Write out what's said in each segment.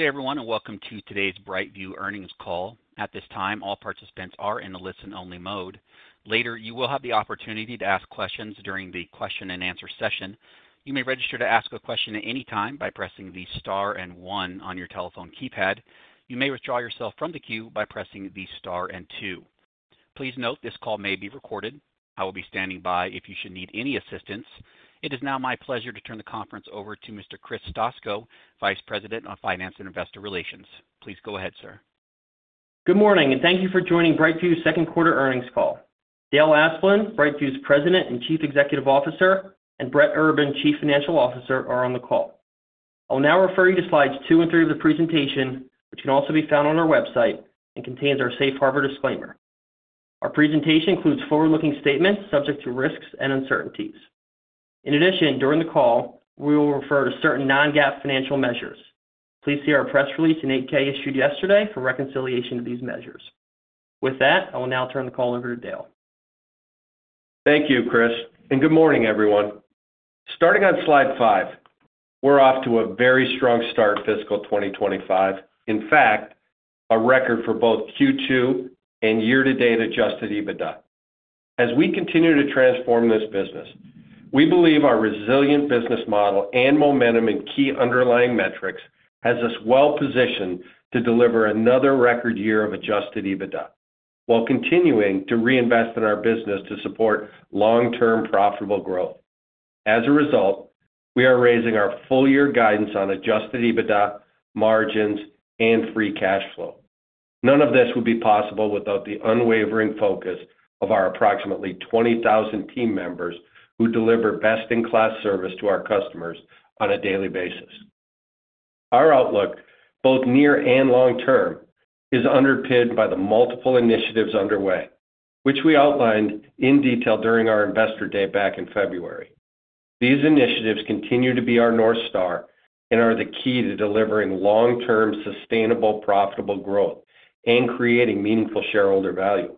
Good day, everyone, and welcome to today's BrightView earnings call. At this time, all participants are in the listen-only mode. Later, you will have the opportunity to ask questions during the question-and-answer session. You may register to ask a question at any time by pressing the star and one on your telephone keypad. You may withdraw yourself from the queue by pressing the star and two. Please note this call may be recorded. I will be standing by if you should need any assistance. It is now my pleasure to turn the conference over to Mr. Chris Stoczko, Vice President of Finance and Investor Relations. Please go ahead, sir. Good morning, and thank you for joining BrightView's second quarter earnings call. Dale Asplund, BrightView's President and Chief Executive Officer, and Brett Urban, Chief Financial Officer, are on the call. I'll now refer you to slides two and three of the presentation, which can also be found on our website and contains our safe harbor disclaimer. Our presentation includes forward-looking statements subject to risks and uncertainties. In addition, during the call, we will refer to certain non-GAAP financial measures. Please see our press release in 8-K issued yesterday for reconciliation of these measures. With that, I will now turn the call over to Dale. Thank you, Chris, and good morning, everyone. Starting on slide five, we're off to a very strong start fiscal 2025. In fact, a record for both Q2 and year-to-date adjusted EBITDA. As we continue to transform this business, we believe our resilient business model and momentum and key underlying metrics have us well-positioned to deliver another record year of adjusted EBITDA while continuing to reinvest in our business to support long-term profitable growth. As a result, we are raising our full-year guidance on adjusted EBITDA, margins, and free cash flow. None of this would be possible without the unwavering focus of our approximately 20,000 team members who deliver best-in-class service to our customers on a daily basis. Our outlook, both near and long-term, is underpinned by the multiple initiatives underway, which we outlined in detail during our Investor Day back in February. These initiatives continue to be our North Star and are the key to delivering long-term, sustainable, profitable growth and creating meaningful shareholder value.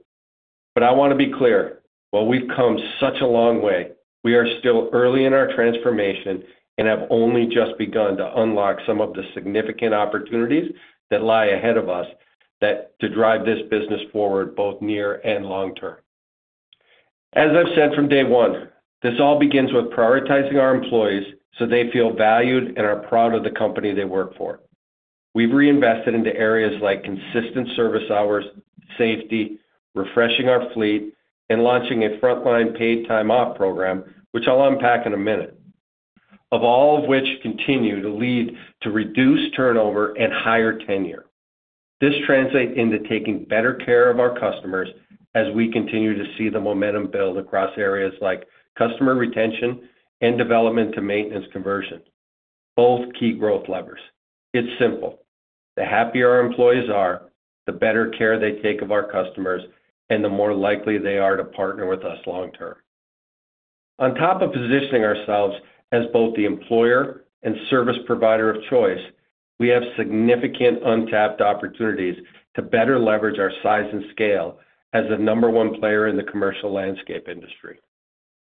I want to be clear: while we've come such a long way, we are still early in our transformation and have only just begun to unlock some of the significant opportunities that lie ahead of us to drive this business forward both near and long-term. As I've said from day one, this all begins with prioritizing our employees so they feel valued and are proud of the company they work for. We've reinvested into areas like consistent service hours, safety, refreshing our fleet, and launching a frontline paid time-off program, which I'll unpack in a minute, all of which continue to lead to reduced turnover and higher tenure. This translates into taking better care of our customers as we continue to see the momentum build across areas like customer retention and development to maintenance conversion, both key growth levers. It's simple: the happier our employees are, the better care they take of our customers, and the more likely they are to partner with us long-term. On top of positioning ourselves as both the employer and service provider of choice, we have significant untapped opportunities to better leverage our size and scale as the number one player in the commercial landscape industry.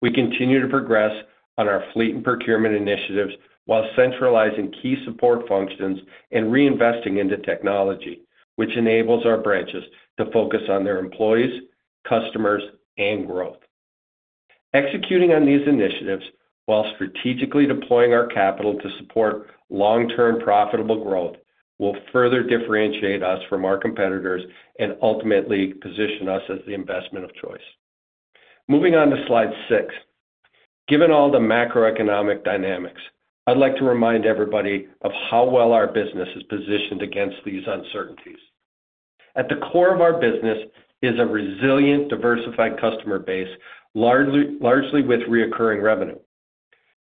We continue to progress on our fleet and procurement initiatives while centralizing key support functions and reinvesting into technology, which enables our branches to focus on their employees, customers, and growth. Executing on these initiatives while strategically deploying our capital to support long-term profitable growth will further differentiate us from our competitors and ultimately position us as the investment of choice. Moving on to slide six, given all the macroeconomic dynamics, I'd like to remind everybody of how well our business is positioned against these uncertainties. At the core of our business is a resilient, diversified customer base, largely with recurring revenue.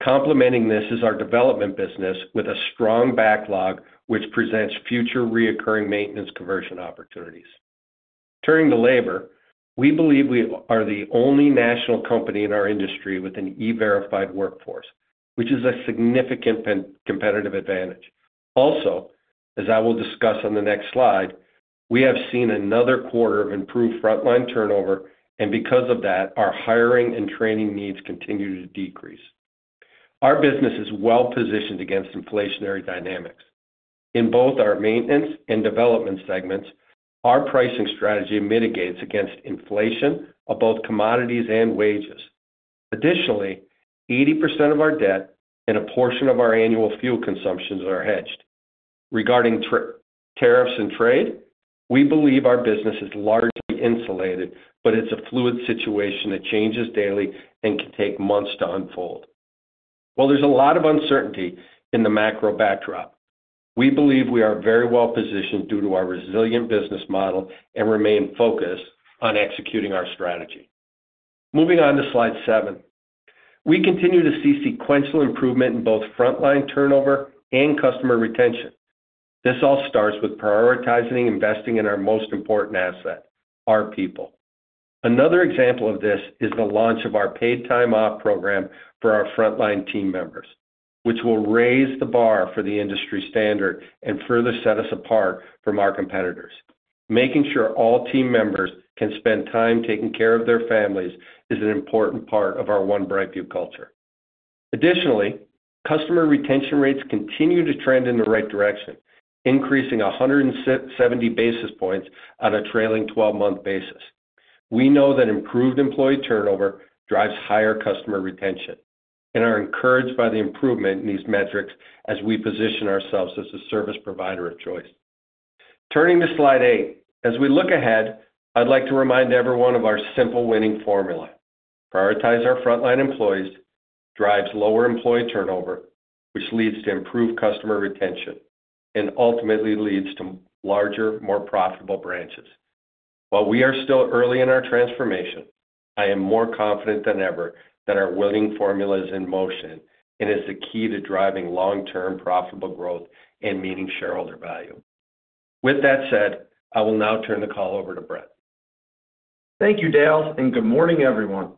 Complementing this is our development business with a strong backlog, which presents future recurring maintenance conversion opportunities. Turning to labor, we believe we are the only national company in our industry with an E-Verify workforce, which is a significant competitive advantage. Also, as I will discuss on the next slide, we have seen another quarter of improved frontline turnover, and because of that, our hiring and training needs continue to decrease. Our business is well-positioned against inflationary dynamics. In both our Maintenance and Development segments, our pricing strategy mitigates against inflation of both commodities and wages. Additionally, 80% of our debt and a portion of our annual fuel consumptions are hedged. Regarding tariffs and trade, we believe our business is largely insulated, but it is a fluid situation that changes daily and can take months to unfold. While there is a lot of uncertainty in the macro backdrop, we believe we are very well-positioned due to our resilient business model and remain focused on executing our strategy. Moving on to slide seven, we continue to see sequential improvement in both frontline turnover and customer retention. This all starts with prioritizing investing in our most important asset, our people. Another example of this is the launch of our paid time-off program for our frontline team members, which will raise the bar for the industry standard and further set us apart from our competitors. Making sure all team members can spend time taking care of their families is an important part of our One BrightView culture. Additionally, customer retention rates continue to trend in the right direction, increasing 170 basis points on a trailing 12-month basis. We know that improved employee turnover drives higher customer retention and are encouraged by the improvement in these metrics as we position ourselves as a service provider of choice. Turning to slide eight, as we look ahead, I'd like to remind everyone of our simple winning formula. Prioritize our frontline employees drives lower employee turnover, which leads to improved customer retention and ultimately leads to larger, more profitable branches. While we are still early in our transformation, I am more confident than ever that our winning formula is in motion and is the key to driving long-term profitable growth and meaningful shareholder value. With that said, I will now turn the call over to Brett. Thank you, Dale, and good morning, everyone.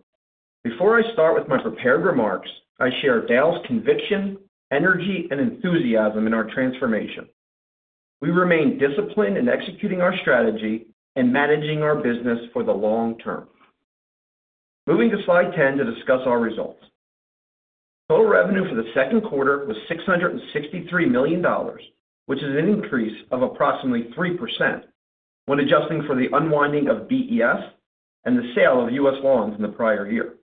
Before I start with my prepared remarks, I share Dale's conviction, energy, and enthusiasm in our transformation. We remain disciplined in executing our strategy and managing our business for the long term. Moving to slide 10 to discuss our results. Total revenue for the second quarter was $663 million, which is an increase of approximately 3% when adjusting for the unwinding of BES and the sale of U.S. Lawns in the prior year.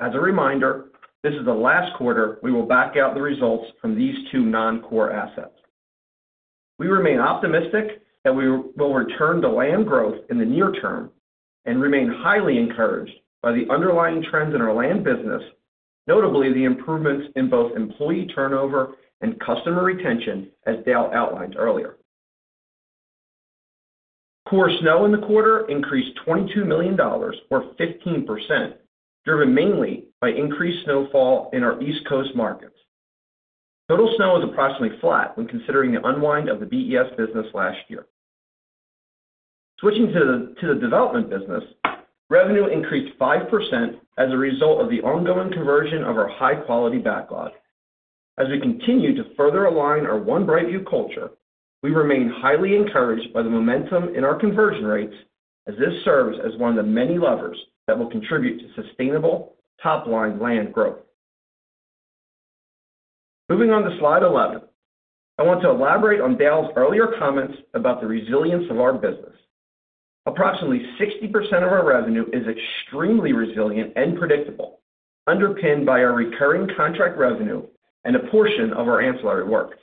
As a reminder, this is the last quarter we will back out the results from these two non-core assets. We remain optimistic that we will return to land growth in the near term and remain highly encouraged by the underlying trends in our land business, notably the improvements in both employee turnover and customer retention, as Dale outlined earlier. Core snow in the quarter increased $22 million, or 15%, driven mainly by increased snowfall in our East Coast markets. Total snow was approximately flat when considering the unwind of the BES business last year. Switching to the development business, revenue increased 5% as a result of the ongoing conversion of our high-quality backlog. As we continue to further align our One BrightView culture, we remain highly encouraged by the momentum in our conversion rates, as this serves as one of the many levers that will contribute to sustainable top-line land growth. Moving on to slide 11, I want to elaborate on Dale's earlier comments about the resilience of our business. Approximately 60% of our revenue is extremely resilient and predictable, underpinned by our recurring contract revenue and a portion of our ancillary work.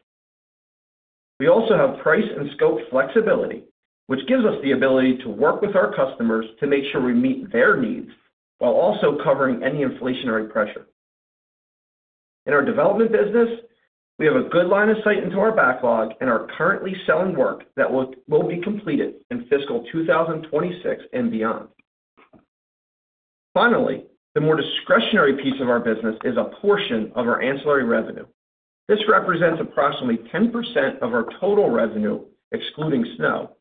We also have price and scope flexibility, which gives us the ability to work with our customers to make sure we meet their needs while also covering any inflationary pressure. In our development business, we have a good line of sight into our backlog and are currently selling work that will be completed in fiscal 2026 and beyond. Finally, the more discretionary piece of our business is a portion of our ancillary revenue. This represents approximately 10% of our total revenue, excluding snow,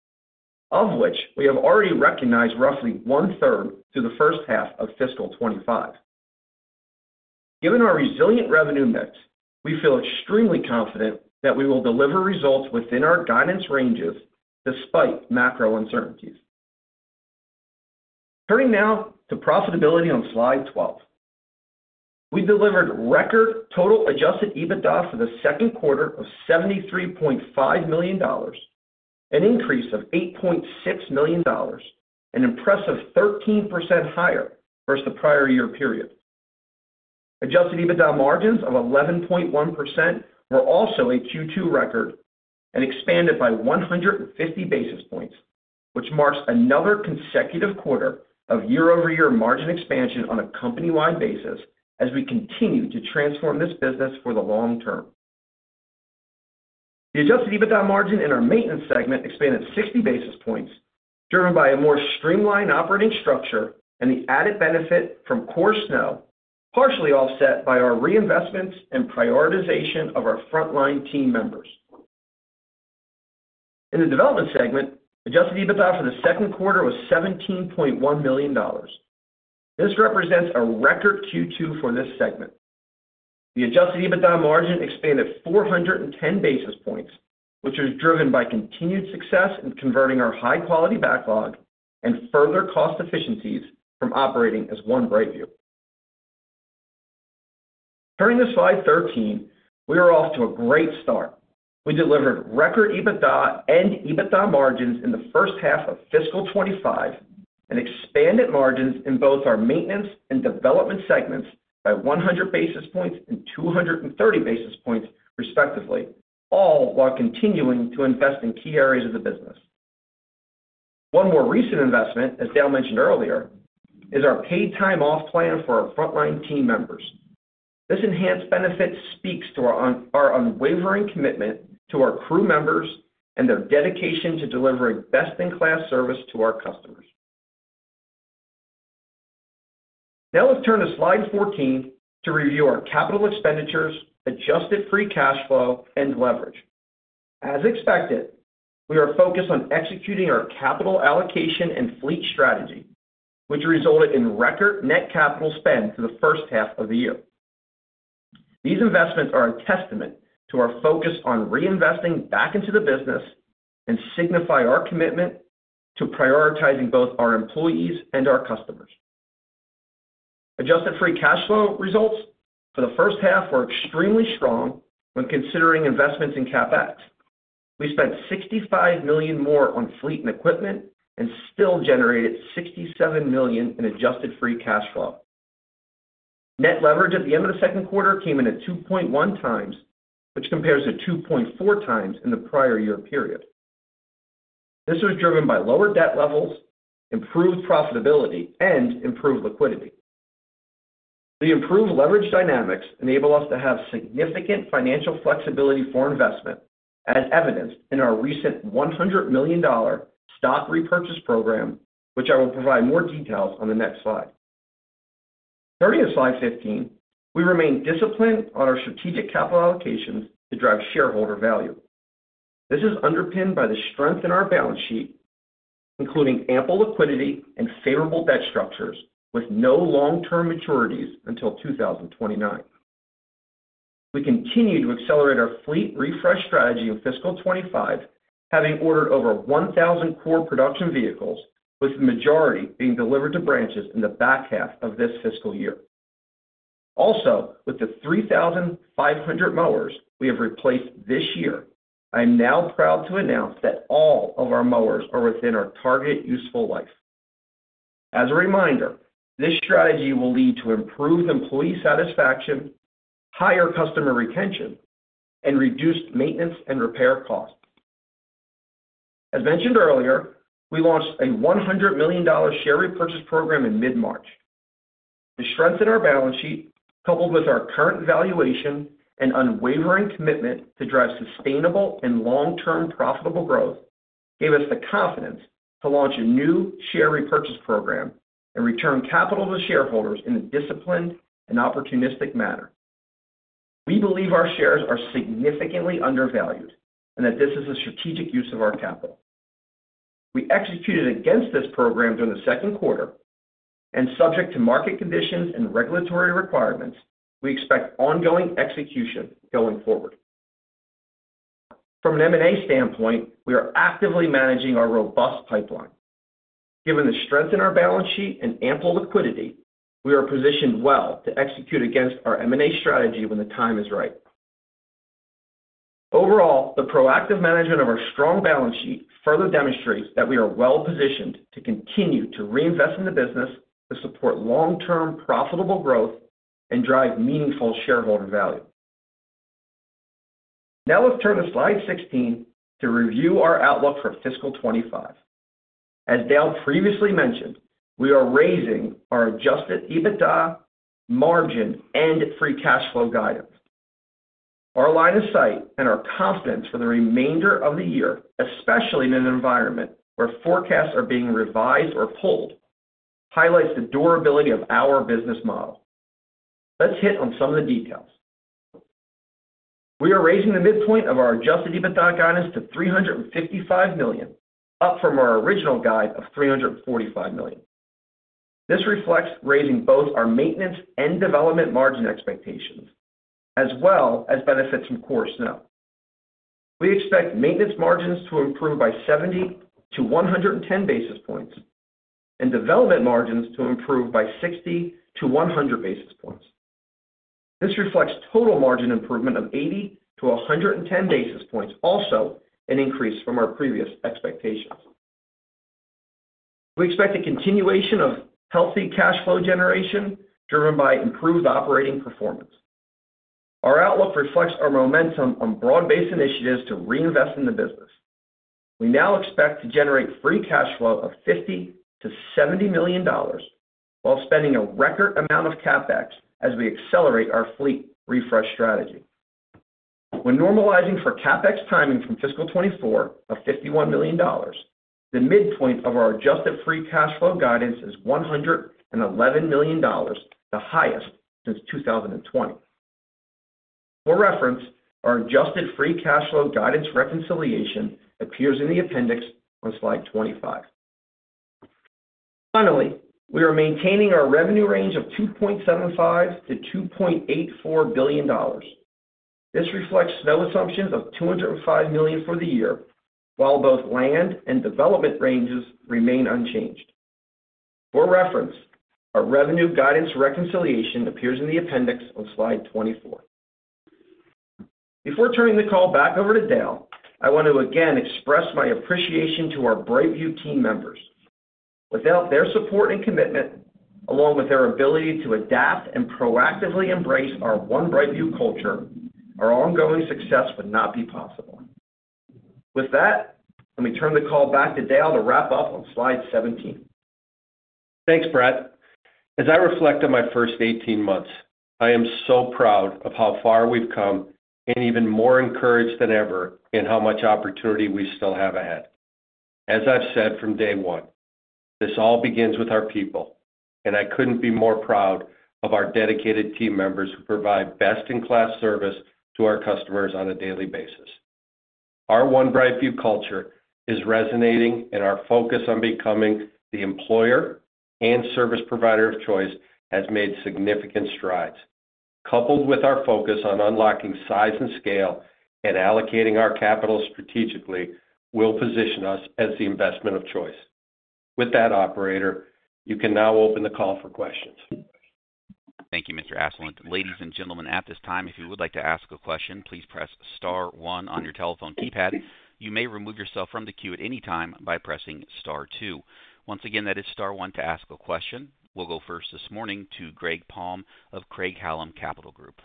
of which we have already recognized roughly one-third through the first half of fiscal 2025. Given our resilient revenue mix, we feel extremely confident that we will deliver results within our guidance ranges despite macro uncertainties. Turning now to profitability on slide 12, we delivered record total adjusted EBITDA for the second quarter of $73.5 million, an increase of $8.6 million, an impressive 13% higher versus the prior year period. Adjusted EBITDA margins of 11.1% were also a Q2 record and expanded by 150 basis points, which marks another consecutive quarter of year-over-year margin expansion on a company-wide basis as we continue to transform this business for the long term. The adjusted EBITDA margin in our maintenance segment expanded 60 basis points, driven by a more streamlined operating structure and the added benefit from core snow, partially offset by our reinvestments and prioritization of our frontline team members. In the development segment, adjusted EBITDA for the second quarter was $17.1 million. This represents a record Q2 for this segment. The adjusted EBITDA margin expanded 410 basis points, which was driven by continued success in converting our high-quality backlog and further cost efficiencies from operating as One BrightView. Turning to slide 13, we are off to a great start. We delivered record EBITDA and EBITDA margins in the first half of fiscal 2025 and expanded margins in both our Maintenance and Development segments by 100 basis points and 230 basis points, respectively, all while continuing to invest in key areas of the business. One more recent investment, as Dale mentioned earlier, is our paid time off plan for our frontline team members. This enhanced benefit speaks to our unwavering commitment to our crew members and their dedication to delivering best-in-class service to our customers. Now let's turn to slide 14 to review our capital expenditures, adjusted free cash flow, and leverage. As expected, we are focused on executing our capital allocation and fleet strategy, which resulted in record net capital spend for the first half of the year. These investments are a testament to our focus on reinvesting back into the business and signify our commitment to prioritizing both our employees and our customers. Adjusted free cash flow results for the first half were extremely strong when considering investments in CapEx. We spent $65 million more on fleet and equipment and still generated $67 million in adjusted free cash flow. Net leverage at the end of the second quarter came in at 2.1x, which compares to 2.4x in the prior year period. This was driven by lower debt levels, improved profitability, and improved liquidity. The improved leverage dynamics enable us to have significant financial flexibility for investment, as evidenced in our recent $100 million stock repurchase program, which I will provide more details on the next slide. Turning to slide 15, we remain disciplined on our strategic capital allocations to drive shareholder value. This is underpinned by the strength in our balance sheet, including ample liquidity and favorable debt structures with no long-term maturities until 2029. We continue to accelerate our fleet refresh strategy in fiscal 2025, having ordered over 1,000 core production vehicles, with the majority being delivered to branches in the back half of this fiscal year. Also, with the 3,500 mowers we have replaced this year, I am now proud to announce that all of our mowers are within our target useful life. As a reminder, this strategy will lead to improved employee satisfaction, higher customer retention, and reduced maintenance and repair costs. As mentioned earlier, we launched a $100 million share repurchase program in mid-March. The strength in our balance sheet, coupled with our current valuation and unwavering commitment to drive sustainable and long-term profitable growth, gave us the confidence to launch a new share repurchase program and return capital to shareholders in a disciplined and opportunistic manner. We believe our shares are significantly undervalued and that this is a strategic use of our capital. We executed against this program during the second quarter, and subject to market conditions and regulatory requirements, we expect ongoing execution going forward. From an M&A standpoint, we are actively managing our robust pipeline. Given the strength in our balance sheet and ample liquidity, we are positioned well to execute against our M&A strategy when the time is right. Overall, the proactive management of our strong balance sheet further demonstrates that we are well-positioned to continue to reinvest in the business to support long-term profitable growth and drive meaningful shareholder value. Now let's turn to slide 16 to review our outlook for fiscal 2025. As Dale previously mentioned, we are raising our adjusted EBITDA, margin, and free cash flow guidance. Our line of sight and our confidence for the remainder of the year, especially in an environment where forecasts are being revised or pulled, highlights the durability of our business model. Let's hit on some of the details. We are raising the midpoint of our adjusted EBITDA guidance to $355 million, up from our original guide of $345 million. This reflects raising both our Maintenance and Development margin expectations, as well as benefits from core snow. We expect maintenance margins to improve by 70-110 basis points and development margins to improve by 60-100 basis points. This reflects total margin improvement of 80-110 basis points, also an increase from our previous expectations. We expect a continuation of healthy cash flow generation driven by improved operating performance. Our outlook reflects our momentum on broad-based initiatives to reinvest in the business. We now expect to generate free cash flow of $50-$70 million while spending a record amount of CapEx as we accelerate our fleet refresh strategy. When normalizing for CapEx timing from fiscal 2024 of $51 million, the midpoint of our adjusted free cash flow guidance is $111 million, the highest since 2020. For reference, our adjusted free cash flow guidance reconciliation appears in the appendix on slide 25. Finally, we are maintaining our revenue range of $2.75-$2.84 billion. This reflects snow assumptions of $205 million for the year, while both land and development ranges remain unchanged. For reference, our revenue guidance reconciliation appears in the appendix on slide 24. Before turning the call back over to Dale, I want to again express my appreciation to our BrightView team members. Without their support and commitment, along with their ability to adapt and proactively embrace our One BrightView culture, our ongoing success would not be possible. With that, let me turn the call back to Dale to wrap up on slide 17. Thanks, Brett. As I reflect on my first 18 months, I am so proud of how far we've come and even more encouraged than ever in how much opportunity we still have ahead. As I've said from day one, this all begins with our people, and I couldn't be more proud of our dedicated team members who provide best-in-class service to our customers on a daily basis. Our One BrightView culture is resonating, and our focus on becoming the employer and service provider of choice has made significant strides. Coupled with our focus on unlocking size and scale and allocating our capital strategically, we'll position us as the investment of choice. With that, Operator, you can now open the call for questions. Thank you, Mr. Asplund. Ladies and gentlemen, at this time, if you would like to ask a question, please press Star 1 on your telephone keypad. You may remove yourself from the queue at any time by pressing Star 2. Once again, that is Star 1 to ask a question. We'll go first this morning to Greg Palm of Craig-Hallum Capital Group.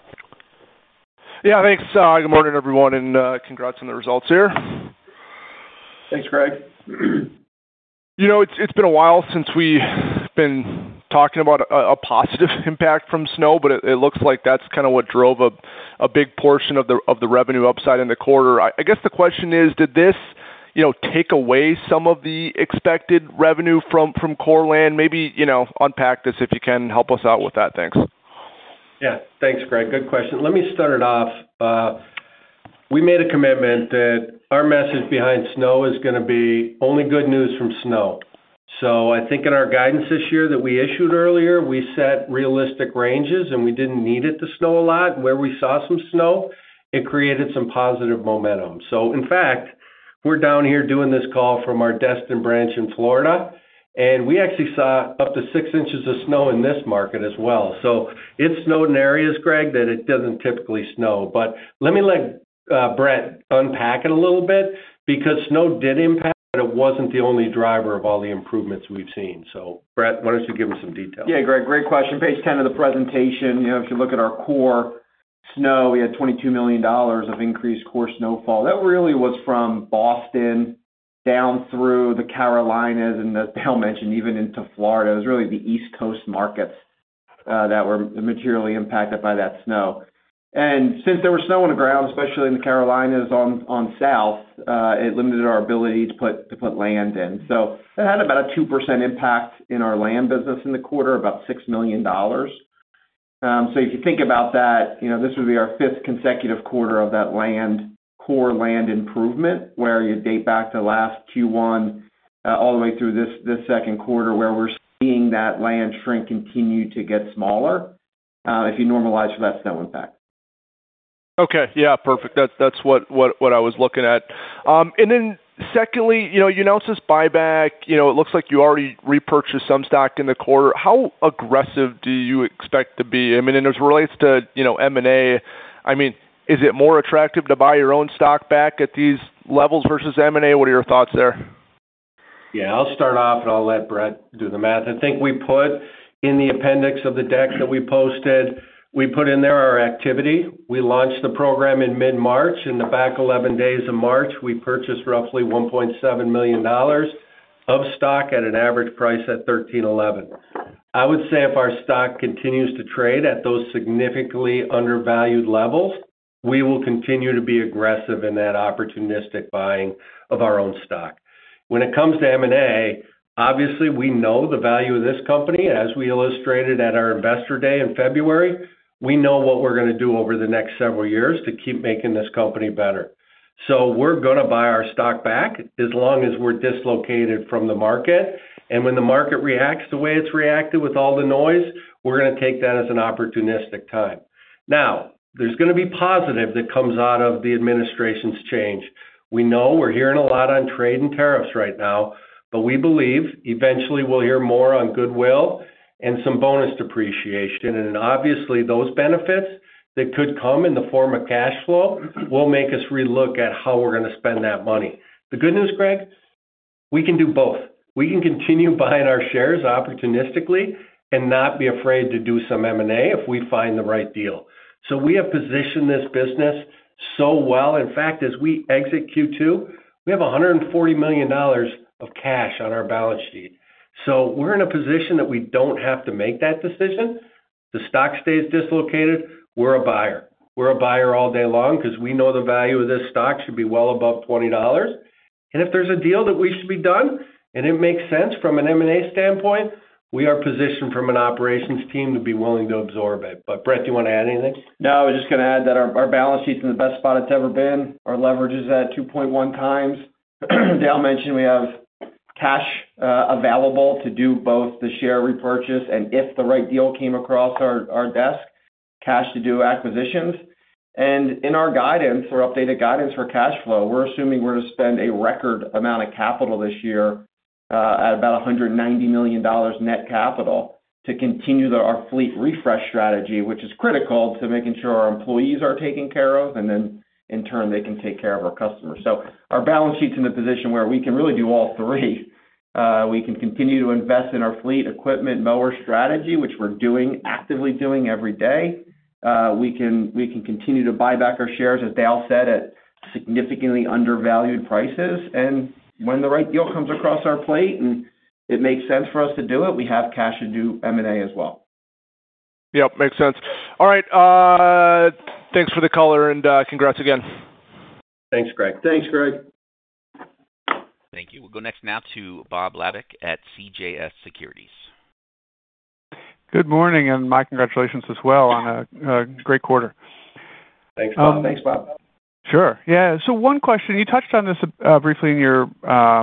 Yeah, thanks. Good morning, everyone, and congrats on the results here. Thanks, Greg. You know, it's been a while since we've been talking about a positive impact from snow, but it looks like that's kind of what drove a big portion of the revenue upside in the quarter. I guess the question is, did this take away some of the expected revenue from core land? Maybe unpack this if you can help us out with that. Thanks. Yeah, thanks, Greg. Good question. Let me start it off. We made a commitment that our message behind snow is going to be only good news from snow. I think in our guidance this year that we issued earlier, we set realistic ranges, and we did not need it to snow a lot. Where we saw some snow, it created some positive momentum. In fact, we are down here doing this call from our Destin branch in Florida, and we actually saw up to six inches of snow in this market as well. It snowed in areas, Greg, that it does not typically snow. Let me let Brett unpack it a little bit because snow did impact, but it was not the only driver of all the improvements we have seen. Brett, why do you not give them some details? Yeah, Greg, great question. Page 10 of the presentation, if you look at our core snow, we had $22 million of increased core snowfall. That really was from Boston down through the Carolinas and, as Dale mentioned, even into Florida. It was really the East Coast markets that were materially impacted by that snow. Since there was snow on the ground, especially in the Carolinas on south, it limited our ability to put land in. It had about a 2% impact in our land business in the quarter, about $6 million. If you think about that, this would be our fifth consecutive quarter of that core land improvement where you date back to last Q1 all the way through this second quarter where we are seeing that land shrink continue to get smaller if you normalize for that snow impact. Okay. Yeah, perfect. That is what I was looking at. Secondly, you announced this buyback. It looks like you already repurchased some stock in the quarter. How aggressive do you expect to be? I mean, as it relates to M&A, I mean, is it more attractive to buy your own stock back at these levels versus M&A? What are your thoughts there? Yeah, I'll start off, and I'll let Brett do the math. I think we put in the appendix of the deck that we posted, we know what we're going to do over the next several years to keep making this company better. We are going to buy our stock back as long as we're dislocated from the market. When the market reacts the way it's reacted with all the noise, we are going to take that as an opportunistic time. There is going to be positive that comes out of the administration's change. We know we're hearing a lot on trade and tariffs right now, but we believe eventually we'll hear more on goodwill and some bonus depreciation. Obviously, those benefits that could come in the form of cash flow will make us relook at how we're going to spend that money. The good news, Greg, we can do both. We can continue buying our shares opportunistically and not be afraid to do some M&A if we find the right deal. We have positioned this business so well. In fact, as we exit Q2, we have $140 million of cash on our balance sheet. We are in a position that we do not have to make that decision. The stock stays dislocated. We are a buyer. We are a buyer all day long because we know the value of this stock should be well above $20. If there is a deal that should be done and it makes sense from an M&A standpoint, we are positioned from an operations team to be willing to absorb it. Brett, do you want to add anything? No, I was just going to add that our balance sheet is in the best spot it has ever been. Our leverage is at 2.1x. Dale mentioned we have cash available to do both the share repurchase and, if the right deal came across our desk, cash to do acquisitions. In our guidance, our updated guidance for cash flow, we're assuming we're going to spend a record amount of capital this year at about $190 million net capital to continue our fleet refresh strategy, which is critical to making sure our employees are taken care of and then, in turn, they can take care of our customers. Our balance sheet's in a position where we can really do all three. We can continue to invest in our fleet equipment mower strategy, which we're actively doing every day. We can continue to buy back our shares, as Dale said, at significantly undervalued prices. When the right deal comes across our plate and it makes sense for us to do it, we have cash to do M&A as well. Yep, makes sense. All right. Thanks for the color and congrats again. Thanks, Greg. Thanks, Greg. Thank you. We'll go next now to Bob Labick at CJS Securities. Good morning and my congratulations as well on a great quarter. Thanks, Bob. Thanks, Bob. Sure. Yeah. One question. You touched on this briefly in your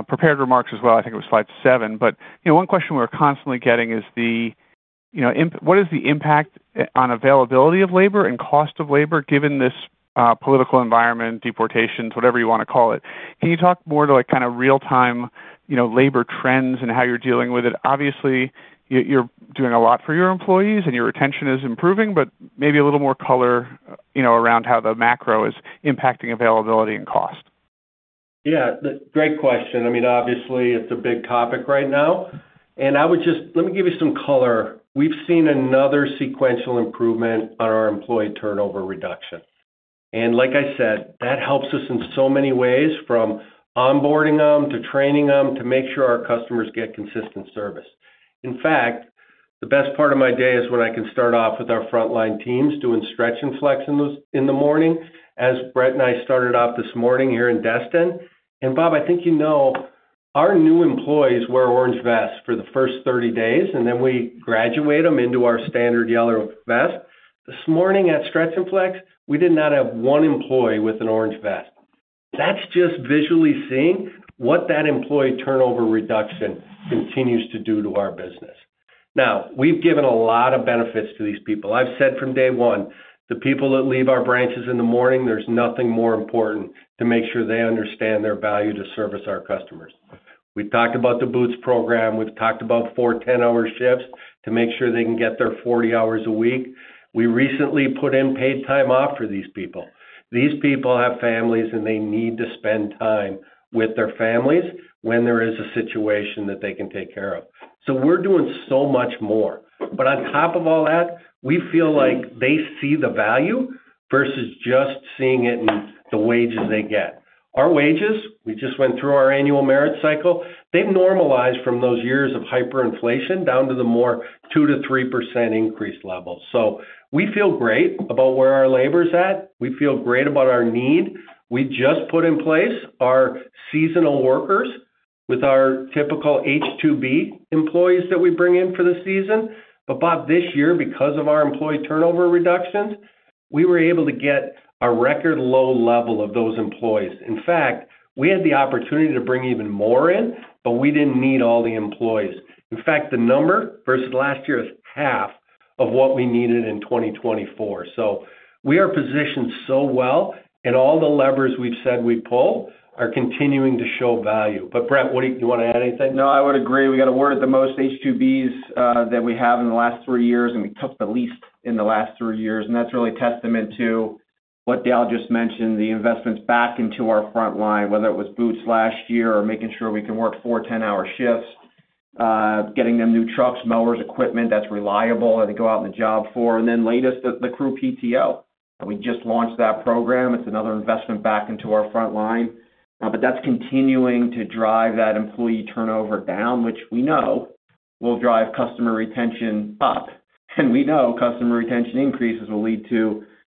prepared remarks as well. I think it was slide seven. One question we're constantly getting is, what is the impact on availability of labor and cost of labor given this political environment, deportations, whatever you want to call it? Can you talk more to kind of real-time labor trends and how you're dealing with it? Obviously, you're doing a lot for your employees and your retention is improving, but maybe a little more color around how the macro is impacting availability and cost. Yeah, great question. I mean, obviously, it's a big topic right now. Let me give you some color. We've seen another sequential improvement on our employee turnover reduction. Like I said, that helps us in so many ways from onboarding them to training them to make sure our customers get consistent service. In fact, the best part of my day is when I can start off with our frontline teams doing Stretch and Flex in the morning, as Brett and I started off this morning here in Destin. Bob, I think you know our new employees wear orange vests for the first 30 days, and then we graduate them into our standard yellow vest. This morning at Stretch and Flex, we did not have one employee with an orange vest. That is just visually seeing what that employee turnover reduction continues to do to our business. Now, we have given a lot of benefits to these people. I have said from day one, the people that leave our branches in the morning, there is nothing more important to make sure they understand their value to service our customers. We have talked about the boots program. We have talked about four 10-hour shifts to make sure they can get their 40 hours a week. We recently put in paid time off for these people. These people have families and they need to spend time with their families when there is a situation that they can take care of. We are doing so much more. On top of all that, we feel like they see the value versus just seeing it in the wages they get. Our wages, we just went through our annual merit cycle. They have normalized from those years of hyperinflation down to the more 2%-3% increased levels. We feel great about where our labor is at. We feel great about our need. We just put in place our seasonal workers with our typical H-2B employees that we bring in for the season. Bob, this year, because of our employee turnover reductions, we were able to get a record low level of those employees. In fact, we had the opportunity to bring even more in, but we did not need all the employees. In fact, the number versus last year is half of what we needed in 2024. We are positioned so well, and all the levers we've said we pull are continuing to show value. Brett, do you want to add anything? No, I would agree. We got to where the most H-2Bs that we have in the last three years, and we took the least in the last three years. That is really testament to what Dale just mentioned, the investments back into our frontline, whether it was boots last year or making sure we can work four 10-hour shifts, getting them new trucks, mowers, equipment that is reliable and they go out on the job for. The latest is the crew PTO. We just launched that program. It is another investment back into our frontline. That is continuing to drive that employee turnover down, which we know will drive customer retention up. We know customer retention increases will lead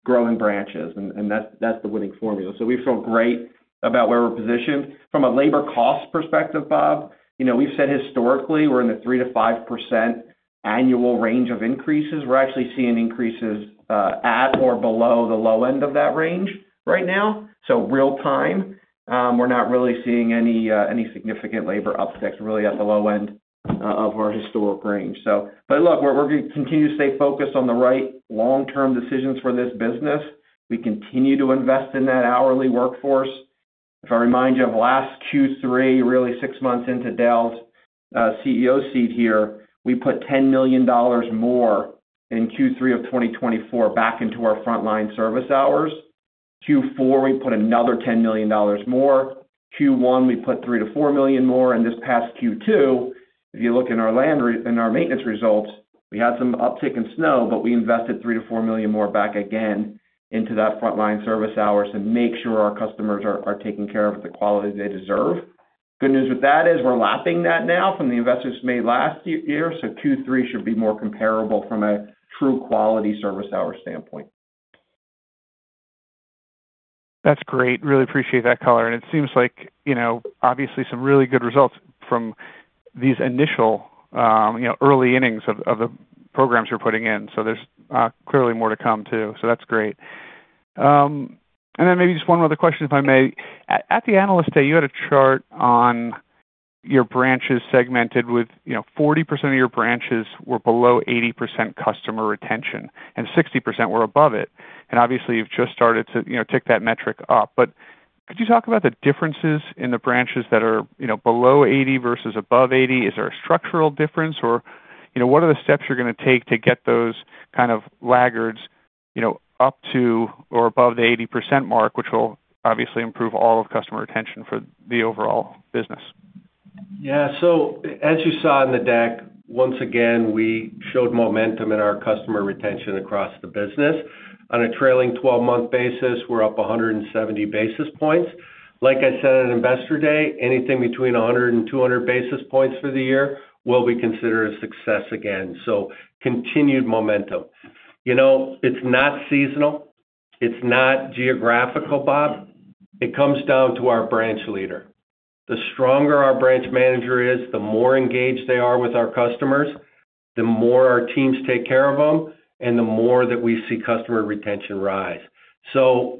to growing branches, and that's the winning formula. We feel great about where we're positioned. From a labor cost perspective, Bob, we've said historically we're in the 3%-5% annual range of increases. We're actually seeing increases at or below the low end of that range right now. Real-time, we're not really seeing any significant labor upticks, really at the low end of our historic range. We are going to continue to stay focused on the right long-term decisions for this business. We continue to invest in that hourly workforce. If I remind you of last Q3, really six months into Dale's CEO seat here, we put $10 million more in Q3 of 2024 back into our frontline service hours. Q4, we put another $10 million more. Q1, we put $3 million-$4 million more. This past Q2, if you look in our maintenance results, we had some uptick in snow, but we invested $3 million-$4 million more back again into that frontline service hours to make sure our customers are taken care of with the quality they deserve. The good news with that is we are lapping that now from the investments made last year. Q3 should be more comparable from a true quality service hour standpoint. That is great. Really appreciate that color. It seems like obviously some really good results from these initial early innings of the programs you are putting in. There is clearly more to come too. That is great. Maybe just one other question, if I may. At the analyst day, you had a chart on your branches segmented with 40% of your branches were below 80% customer retention and 60% were above it. Obviously, you've just started to tick that metric up. Could you talk about the differences in the branches that are below 80 versus above 80? Is there a structural difference, or what are the steps you're going to take to get those kind of laggards up to or above the 80% mark, which will obviously improve all of customer retention for the overall business? Yeah. As you saw in the deck, once again, we showed momentum in our customer retention across the business. On a trailing 12-month basis, we're up 170 basis points. Like I said on Investor Day, anything between 100 and 200 basis points for the year will be considered a success again. Continued momentum. It's not seasonal. It's not geographical, Bob. It comes down to our branch leader. The stronger our branch manager is, the more engaged they are with our customers, the more our teams take care of them, and the more that we see customer retention rise.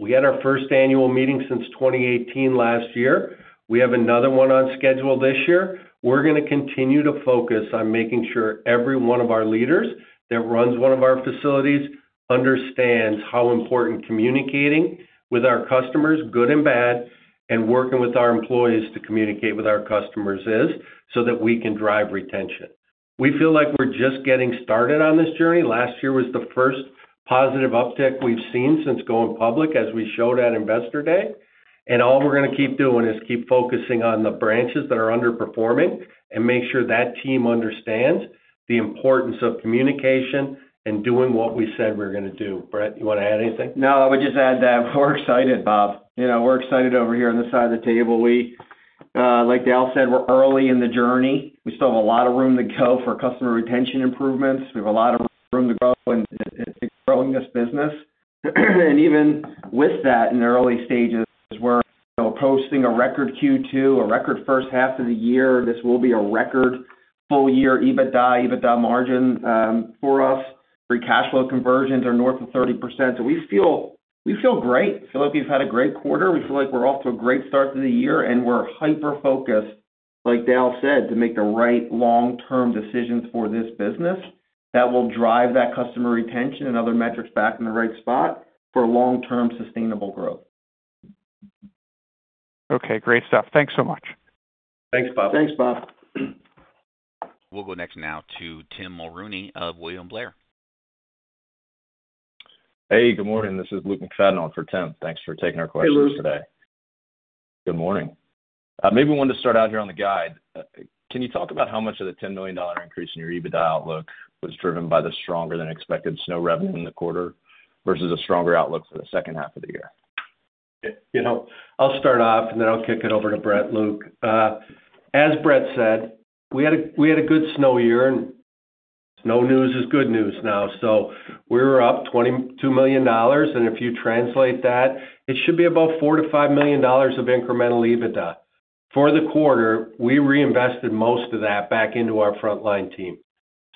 We had our first annual meeting since 2018 last year. We have another one on schedule this year. We are going to continue to focus on making sure every one of our leaders that runs one of our facilities understands how important communicating with our customers, good and bad, and working with our employees to communicate with our customers is so that we can drive retention. We feel like we are just getting started on this journey. Last year was the first positive uptick we have seen since going public as we showed at Investor Day. All we're going to keep doing is keep focusing on the branches that are underperforming and make sure that team understands the importance of communication and doing what we said we're going to do. Brett, you want to add anything? No, I would just add that we're excited, Bob. We're excited over here on this side of the table. Like Dale said, we're early in the journey. We still have a lot of room to go for customer retention improvements. We have a lot of room to grow in growing this business. Even with that, in the early stages, we're posting a record Q2, a record first half of the year. This will be a record full-year EBITDA, EBITDA margin for us. Free cash flow conversions are north of 30%. We feel great. We feel like we've had a great quarter. We feel like we're off to a great start to the year. We're hyper-focused, like Dale said, to make the right long-term decisions for this business that will drive that customer retention and other metrics back in the right spot for long-term sustainable growth. Okay. Great stuff. Thanks so much. Thanks, Bob. Thanks, Bob. We'll go next now to Tim Mulrooney of William Blair. Hey, good morning. This is Luke McFadden for Tim. Thanks for taking our questions today. Good morning. Maybe we wanted to start out here on the guide. Can you talk about how much of the $10 million increase in your EBITDA outlook was driven by the stronger-than-expected snow revenue in the quarter versus a stronger outlook for the second half of the year? I'll start off, and then I'll kick it over to Brett, Luke. As Brett said, we had a good snow year, and snow news is good news now. We were up $22 million. If you translate that, it should be about $4-$5 million of incremental EBITDA. For the quarter, we reinvested most of that back into our frontline team.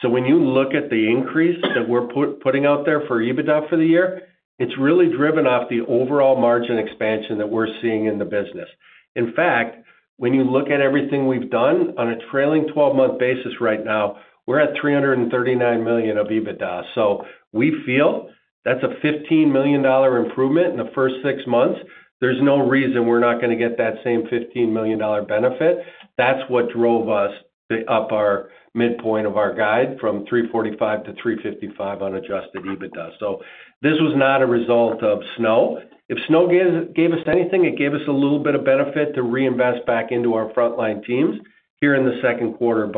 When you look at the increase that we're putting out there for EBITDA for the year, it's really driven off the overall margin expansion that we're seeing in the business. In fact, when you look at everything we've done on a trailing 12-month basis right now, we're at $339 million of EBITDA. We feel that's a $15 million improvement in the first six months. There's no reason we're not going to get that same $15 million benefit. That's what drove us up our midpoint of our guide from $345-$355 on adjusted EBITDA. This was not a result of snow. If snow gave us anything, it gave us a little bit of benefit to reinvest back into our frontline teams here in the second quarter.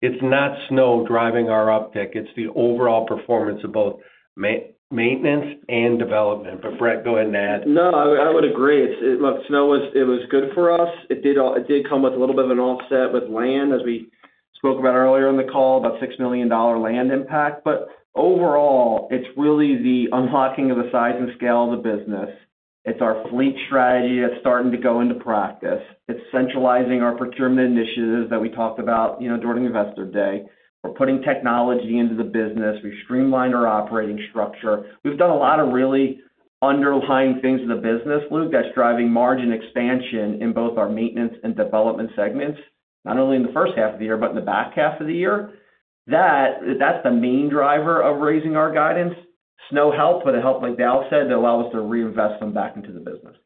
It is not snow driving our uptick. It is the overall performance of both Maintenance and Development. Brett, go ahead and add. No, I would agree. Look, snow, it was good for us. It did come with a little bit of an offset with land, as we spoke about earlier in the call, about $6 million land impact. Overall, it is really the unlocking of the size and scale of the business. It is our fleet strategy that is starting to go into practice. It is centralizing our procurement initiatives that we talked about during Investor Day. We are putting technology into the business. We have streamlined our operating structure. We've done a lot of really underlying things in the business, Luke, that's driving margin expansion in both our Maintenance and Development segments, not only in the first half of the year, but in the back half of the year. That's the main driver of raising our guidance. Snow helped, but it helped, like Dale said, to allow us to reinvest them back into the business.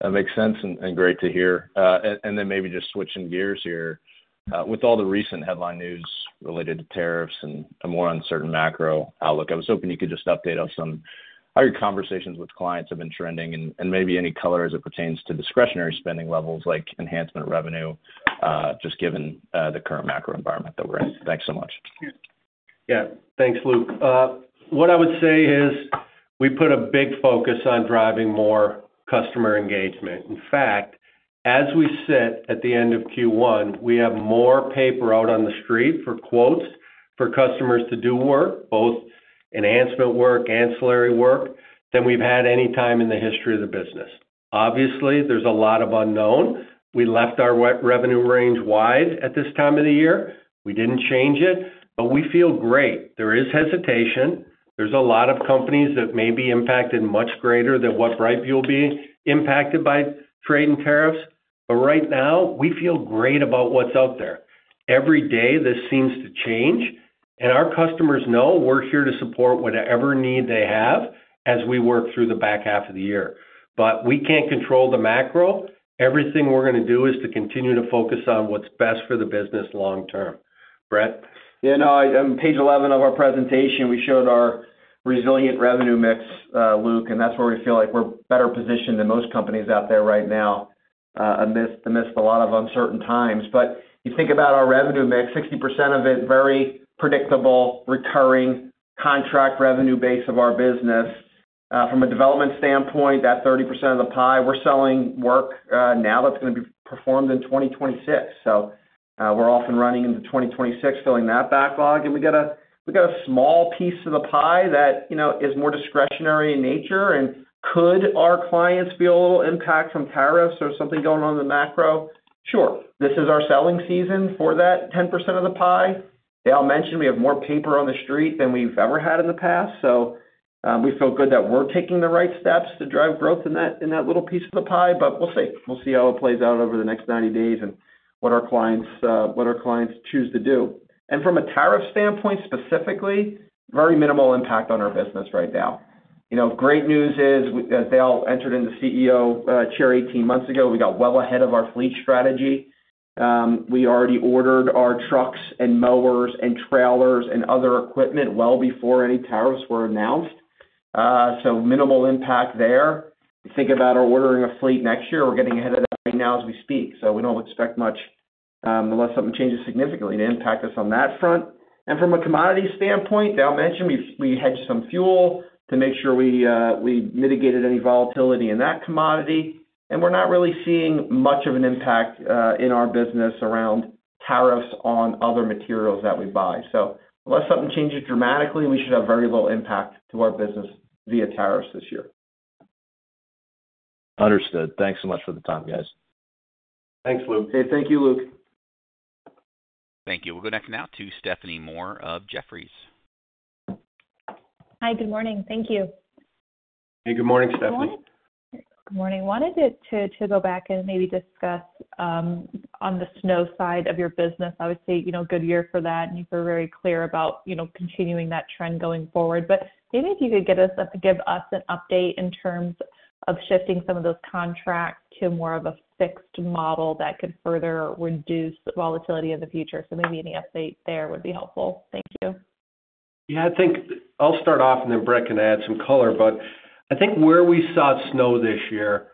That makes sense and great to hear. Maybe just switching gears here. With all the recent headline news related to tariffs and a more uncertain macro outlook, I was hoping you could just update us on how your conversations with clients have been trending and maybe any color as it pertains to discretionary spending levels like enhancement revenue, just given the current macro environment that we're in. Thanks so much. Yeah. Thanks, Luke. What I would say is we put a big focus on driving more customer engagement. In fact, as we sit at the end of Q1, we have more paper out on the street for quotes for customers to do work, both enhancement work, ancillary work, than we've had any time in the history of the business. Obviously, there's a lot of unknown. We left our revenue range wide at this time of the year. We didn't change it, but we feel great. There is hesitation. There's a lot of companies that may be impacted much greater than what BrightView will be impacted by trade and tariffs. Right now, we feel great about what's out there. Every day, this seems to change. Our customers know we're here to support whatever need they have as we work through the back half of the year. We can't control the macro. Everything we're going to do is to continue to focus on what's best for the business long-term. Brett. Yeah. No, on page 11 of our presentation, we showed our resilient revenue mix, Luke, and that's where we feel like we're better positioned than most companies out there right now amidst a lot of uncertain times. You think about our revenue mix, 60% of it very predictable, recurring contract revenue base of our business. From a development standpoint, that 30% of the pie, we're selling work now that's going to be performed in 2026. We are off and running into 2026, filling that backlog. We got a small piece of the pie that is more discretionary in nature. Could our clients feel a little impact from tariffs or something going on in the macro? Sure. This is our selling season for that 10% of the pie. Dale mentioned we have more paper on the street than we've ever had in the past. We feel good that we're taking the right steps to drive growth in that little piece of the pie. We'll see. We'll see how it plays out over the next 90 days and what our clients choose to do. From a tariff standpoint specifically, very minimal impact on our business right now. Great news is, as Dale entered into the CEO chair 18 months ago, we got well ahead of our fleet strategy. We already ordered our trucks and mowers and trailers and other equipment well before any tariffs were announced. Minimal impact there. Think about ordering a fleet next year. We're getting ahead of that right now as we speak. We don't expect much unless something changes significantly to impact us on that front. From a commodity standpoint, Dale mentioned we hedged some fuel to make sure we mitigated any volatility in that commodity. We are not really seeing much of an impact in our business around tariffs on other materials that we buy. Unless something changes dramatically, we should have very little impact to our business via tariffs this year. Understood. Thanks so much for the time, guys. Thanks, Luke. Hey, thank you, Luke. Thank you. We'll go next now to Stephanie Moore of Jefferies. Hi. Good morning. Thank you. Hey, good morning, Stephanie. Good morning. Good morning. Wanted to go back and maybe discuss on the snow side of your business. I would say good year for that. You were very clear about continuing that trend going forward. Maybe if you could give us an update in terms of shifting some of those contracts to more of a fixed model that could further reduce volatility in the future. Maybe any update there would be helpful. Thank you. Yeah. I think I'll start off, and then Brett can add some color. I think where we saw snow this year,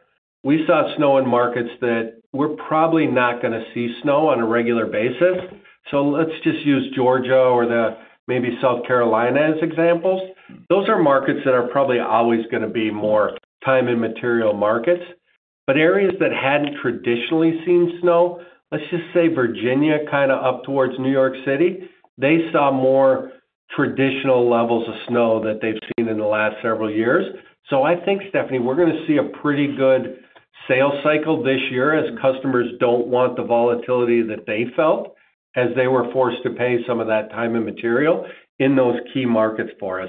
we saw snow in markets that we're probably not going to see snow on a regular basis. Let's just use Georgia or maybe South Carolina as examples. Those are markets that are probably always going to be more time and material markets. Areas that had not traditionally seen snow, let's just say Virginia kind of up towards New York City, they saw more traditional levels of snow that they've seen in the last several years. I think, Stephanie, we're going to see a pretty good sales cycle this year as customers don't want the volatility that they felt as they were forced to pay some of that time and material in those key markets for us.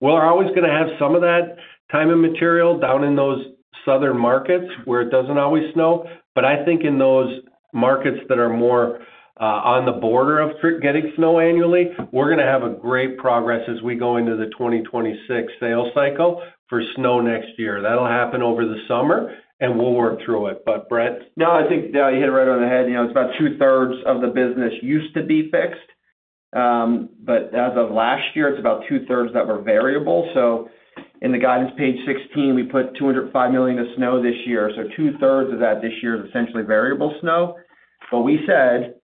We're always going to have some of that time and material down in those southern markets where it doesn't always snow. I think in those markets that are more on the border of getting snow annually, we're going to have great progress as we go into the 2026 sales cycle for snow next year. That'll happen over the summer, and we'll work through it. Brett. No, I think you hit it right on the head. It's about two-thirds of the business used to be fixed. As of last year, it's about two-thirds that were variable. In the guidance page 16, we put $205 million of snow this year. Two-thirds of that this year is essentially variable snow. We said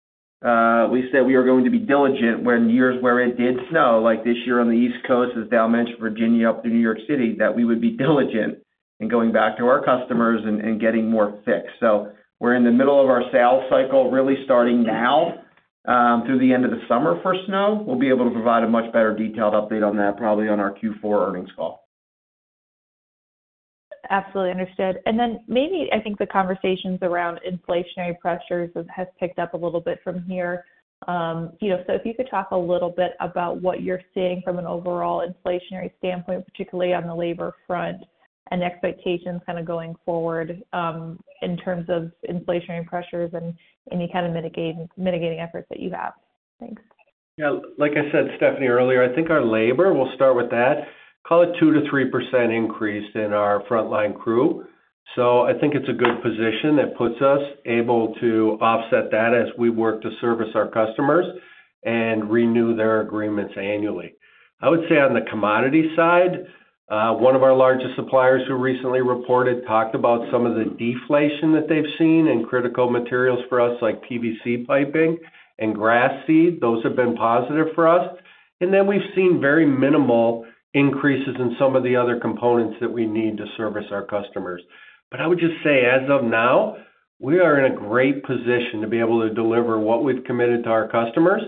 we are going to be diligent when years where it did snow, like this year on the East Coast, as Dale mentioned, Virginia up to New York City, that we would be diligent in going back to our customers and getting more fixed. We are in the middle of our sales cycle really starting now through the end of the summer for snow. We will be able to provide a much better detailed update on that probably on our Q4 earnings call. Absolutely understood. Maybe I think the conversations around inflationary pressures have picked up a little bit from here. If you could talk a little bit about what you're seeing from an overall inflationary standpoint, particularly on the labor front, and expectations kind of going forward in terms of inflationary pressures and any kind of mitigating efforts that you have. Thanks. Yeah. Like I said, Stephanie, earlier, I think our labor, we'll start with that, call it 2%-3% increase in our frontline crew. I think it's a good position that puts us able to offset that as we work to service our customers and renew their agreements annually. I would say on the commodity side, one of our largest suppliers who recently reported talked about some of the deflation that they've seen in critical materials for us, like PVC piping and grass seed. Those have been positive for us. We have seen very minimal increases in some of the other components that we need to service our customers. I would just say, as of now, we are in a great position to be able to deliver what we have committed to our customers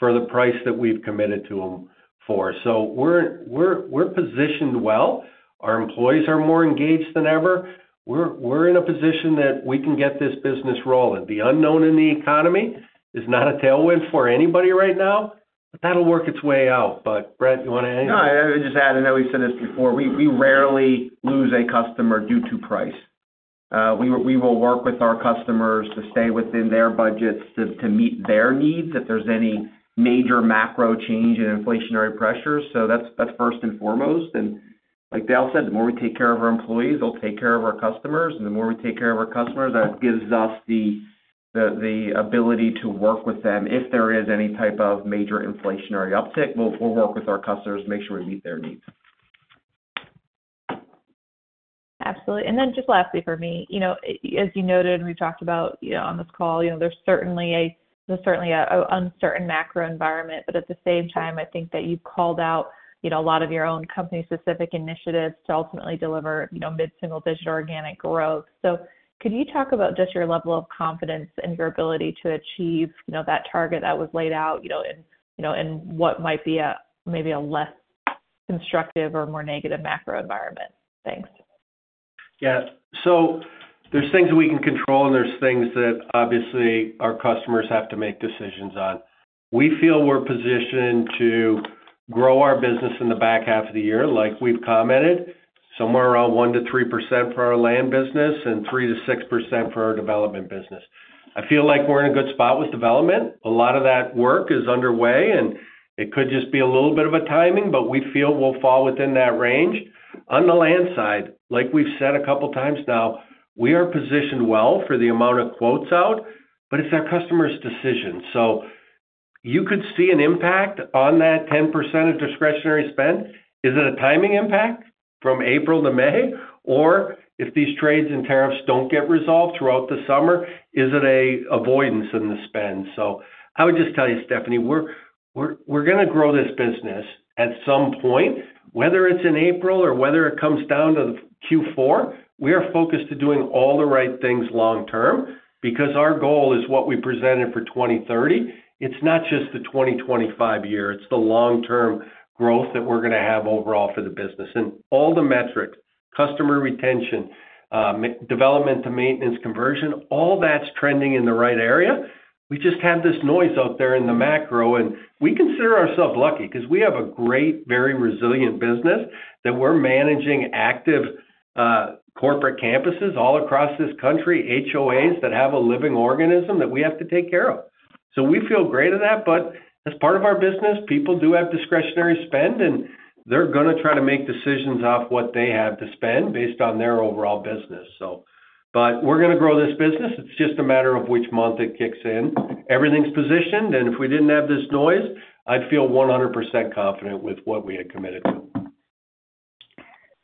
for the price that we have committed to them for. We are positioned well. Our employees are more engaged than ever. We are in a position that we can get this business rolling. The unknown in the economy is not a tailwind for anybody right now, but that will work its way out. Brett, you want to add anything? No, I would just add, and we said this before, we rarely lose a customer due to price. We will work with our customers to stay within their budgets to meet their needs if there is any major macro change in inflationary pressures. That is first and foremost. Like Dale said, the more we take care of our employees, they'll take care of our customers. The more we take care of our customers, that gives us the ability to work with them. If there is any type of major inflationary uptick, we'll work with our customers to make sure we meet their needs. Absolutely. Just lastly for me, as you noted, and we've talked about on this call, there's certainly an uncertain macro environment. At the same time, I think that you've called out a lot of your own company-specific initiatives to ultimately deliver mid single-digit organic growth. Could you talk about just your level of confidence and your ability to achieve that target that was laid out and what might be maybe a less constructive or more negative macro environment? Thanks. Yeah. There are things that we can control, and there are things that obviously our customers have to make decisions on. We feel we're positioned to grow our business in the back half of the year, like we've commented, somewhere around 1%-3% for our land business and 3%-6% for our development business. I feel like we're in a good spot with development. A lot of that work is underway, and it could just be a little bit of a timing, but we feel we'll fall within that range. On the land side, like we've said a couple of times now, we are positioned well for the amount of quotes out, but it's our customer's decision. You could see an impact on that 10% of discretionary spend. Is it a timing impact from April to May? If these trades and tariffs do not get resolved throughout the summer, is it an avoidance in the spend? I would just tell you, Stephanie, we are going to grow this business at some point. Whether it is in April or whether it comes down to Q4, we are focused on doing all the right things long-term because our goal is what we presented for 2030. It is not just the 2025 year. It is the long-term growth that we are going to have overall for the business. All the metrics, customer retention, development to maintenance conversion, all that is trending in the right area. We just have this noise out there in the macro. We consider ourselves lucky because we have a great, very resilient business that we are managing, active corporate campuses all across this country, HOAs that have a living organism that we have to take care of. We feel great of that. As part of our business, people do have discretionary spend, and they're going to try to make decisions off what they have to spend based on their overall business. We're going to grow this business. It's just a matter of which month it kicks in. Everything's positioned. If we didn't have this noise, I'd feel 100% confident with what we had committed to.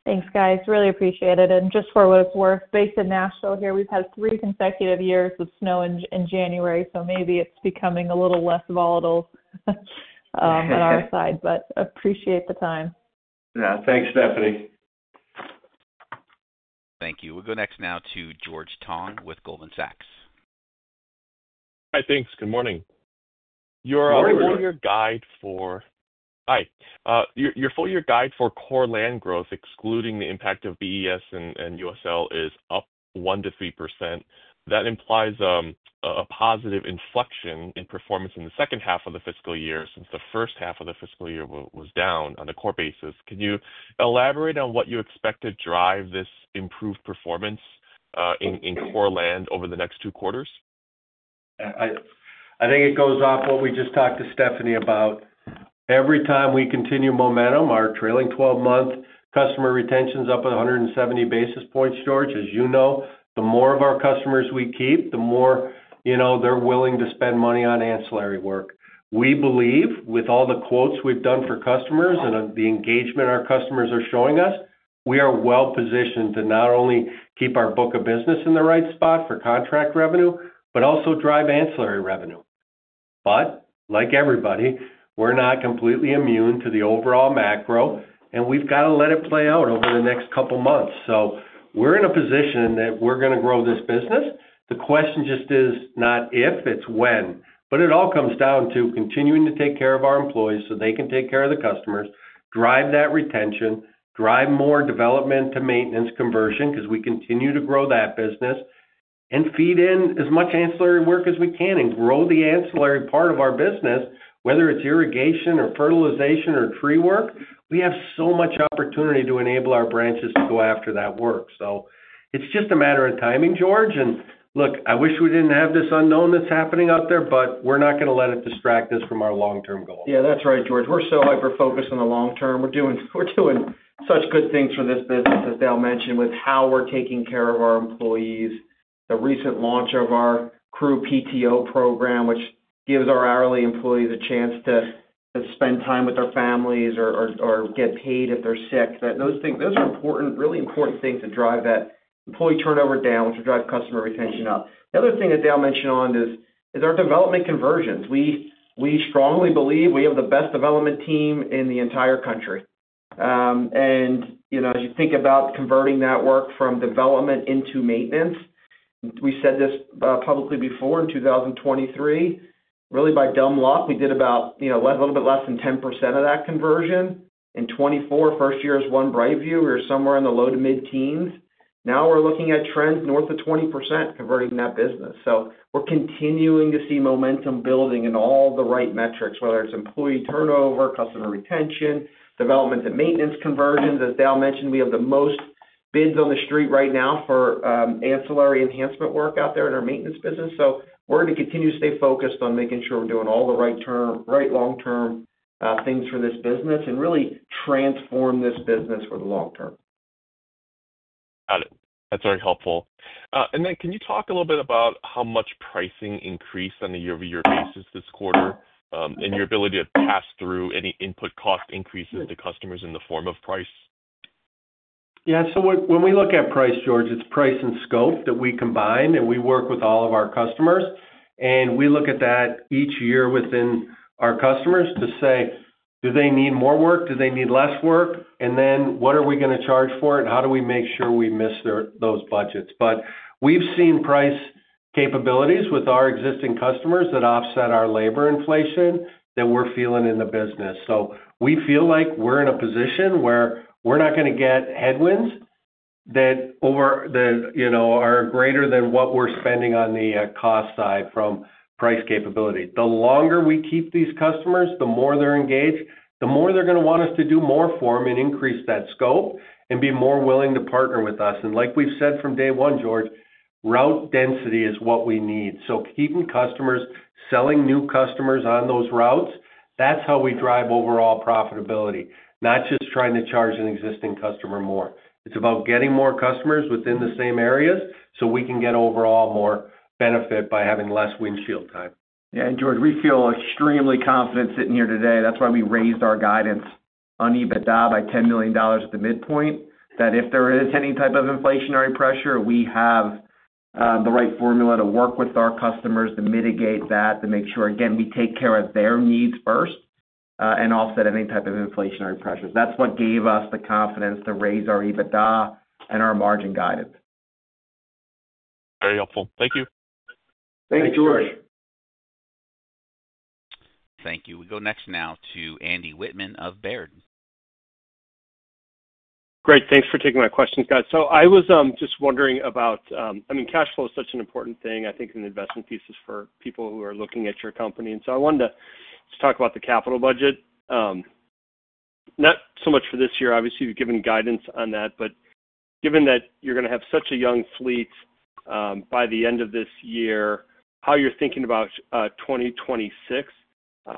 Thanks, guys. Really appreciate it. For what it's worth, based in Nashville here, we've had three consecutive years of snow in January. Maybe it's becoming a little less volatile on our side, but appreciate the time. Yeah. Thanks, Stephanie. Thank you. We'll go next now to George Tong with Goldman Sachs. Hi, thanks. Good morning. Your full-year guide for hi. Your full-year guide for core land growth, excluding the impact of the U.S. Lawns exit is up 1%-3%. That implies a positive inflection in performance in the second half of the fiscal year since the first half of the fiscal year was down on a core basis. Can you elaborate on what you expect to drive this improved performance in core land over the next two quarters? I think it goes off what we just talked to Stephanie about. Every time we continue momentum, our trailing 12-month customer retention is up at 170 basis points. George, as you know, the more of our customers we keep, the more they're willing to spend money on ancillary work. We believe, with all the quotes we've done for customers and the engagement our customers are showing us, we are well-positioned to not only keep our book of business in the right spot for contract revenue, but also drive ancillary revenue. Like everybody, we're not completely immune to the overall macro, and we've got to let it play out over the next couple of months. We are in a position that we're going to grow this business. The question just is not if, it's when. It all comes down to continuing to take care of our employees so they can take care of the customers, drive that retention, drive more development to maintenance conversion because we continue to grow that business, and feed in as much ancillary work as we can and grow the ancillary part of our business, whether it's irrigation or fertilization or tree work. We have so much opportunity to enable our branches to go after that work. It is just a matter of timing, George. Look, I wish we did not have this unknown that is happening out there, but we are not going to let it distract us from our long-term goal. Yeah, that is right, George. We are so hyper-focused on the long-term. We are doing such good things for this business, as Dale mentioned, with how we are taking care of our employees, the recent launch of our crew PTO program, which gives our hourly employees a chance to spend time with their families or get paid if they are sick. Those are really important things to drive that employee turnover down, which will drive customer retention up. The other thing that Dale mentioned on is our development conversions. We strongly believe we have the best development team in the entire country. As you think about converting that work from development into maintenance, we said this publicly before in 2023, really by dumb luck, we did a little bit less than 10% of that conversion. In 2024, first year as One BrightView, we were somewhere in the low to mid-teens. Now we are looking at trends north of 20% converting that business. We are continuing to see momentum building in all the right metrics, whether it is employee turnover, customer retention, development to maintenance conversions. As Dale mentioned, we have the most bids on the street right now for ancillary enhancement work out there in our maintenance business. We are going to continue to stay focused on making sure we are doing all the right long-term things for this business and really transform this business for the long term. Got it. That is very helpful. Can you talk a little bit about how much pricing increased on a year-over-year basis this quarter and your ability to pass through any input cost increases to customers in the form of price? Yeah. When we look at price, George, it's price and scope that we combine, and we work with all of our customers. We look at that each year within our customers to say, "Do they need more work? Do they need less work? And then what are we going to charge for it? And how do we make sure we miss those budgets?" We've seen price capabilities with our existing customers that offset our labor inflation that we're feeling in the business. We feel like we're in a position where we're not going to get headwinds that are greater than what we're spending on the cost side from price capability. The longer we keep these customers, the more they're engaged, the more they're going to want us to do more for them and increase that scope and be more willing to partner with us. Like we've said from day one, George, route density is what we need. Keeping customers, selling new customers on those routes, that's how we drive overall profitability, not just trying to charge an existing customer more. It's about getting more customers within the same areas so we can get overall more benefit by having less windshield time. Yeah. George, we feel extremely confident sitting here today. That's why we raised our guidance on EBITDA by $10 million at the midpoint, that if there is any type of inflationary pressure, we have the right formula to work with our customers to mitigate that, to make sure, again, we take care of their needs first and offset any type of inflationary pressures. That's what gave us the confidence to raise our EBITDA and our margin guidance. Very helpful. Thank you. Thanks, George. Thank you. We go next now to Andy Wittman of Baird. Great. Thanks for taking my questions, guys. I was just wondering about, I mean, cash flow is such an important thing, I think, in investment thesis for people who are looking at your company. I wanted to just talk about the capital budget, not so much for this year, obviously, given guidance on that. Given that you're going to have such a young fleet by the end of this year, how you're thinking about 2026,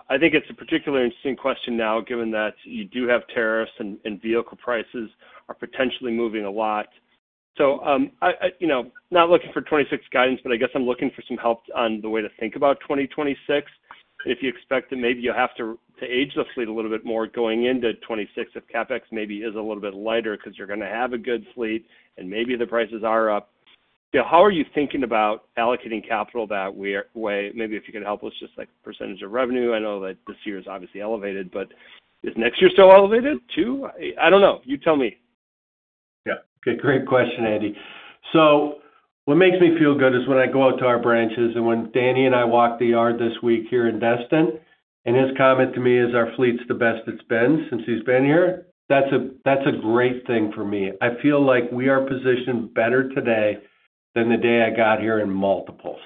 I think it's a particularly interesting question now, given that you do have tariffs and vehicle prices are potentially moving a lot. Not looking for 2026 guidance, but I guess I'm looking for some help on the way to think about 2026. If you expect that maybe you'll have to age the fleet a little bit more going into 2026, if CapEx maybe is a little bit lighter because you're going to have a good fleet and maybe the prices are up. How are you thinking about allocating capital that way? Maybe if you could help us just like percentage of revenue. I know that this year is obviously elevated, but is next year still elevated too? I don't know. You tell me. Yeah. Great question, Andy. What makes me feel good is when I go out to our branches and when Danny and I walk the yard this week here in Destin, and his comment to me is, "Our fleet's the best it's been since he's been here," that's a great thing for me. I feel like we are positioned better today than the day I got here in multiples.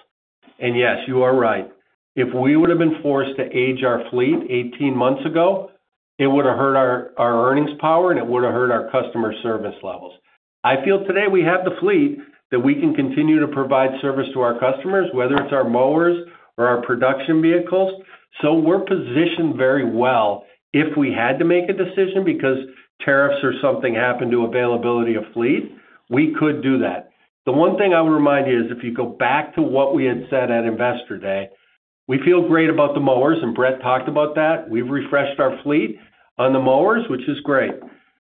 Yes, you are right. If we would have been forced to age our fleet 18 months ago, it would have hurt our earnings power, and it would have hurt our customer service levels. I feel today we have the fleet that we can continue to provide service to our customers, whether it's our mowers or our production vehicles. We are positioned very well. If we had to make a decision because tariffs or something happened to availability of fleet, we could do that. The one thing I would remind you is if you go back to what we had said at Investor Day, we feel great about the mowers, and Brett talked about that. We have refreshed our fleet on the mowers, which is great.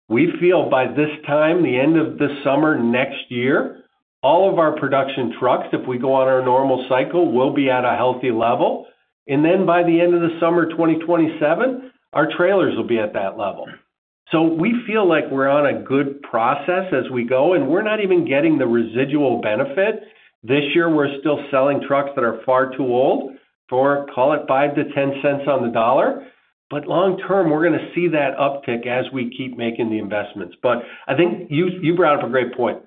We feel by this time, the end of the summer next year, all of our production trucks, if we go on our normal cycle, will be at a healthy level. By the end of the summer 2027, our trailers will be at that level. We feel like we are on a good process as we go, and we are not even getting the residual benefit. This year, we are still selling trucks that are far too old for, call it, $0.05-$0.10 on the dollar. Long-term, we are going to see that uptick as we keep making the investments. I think you brought up a great point.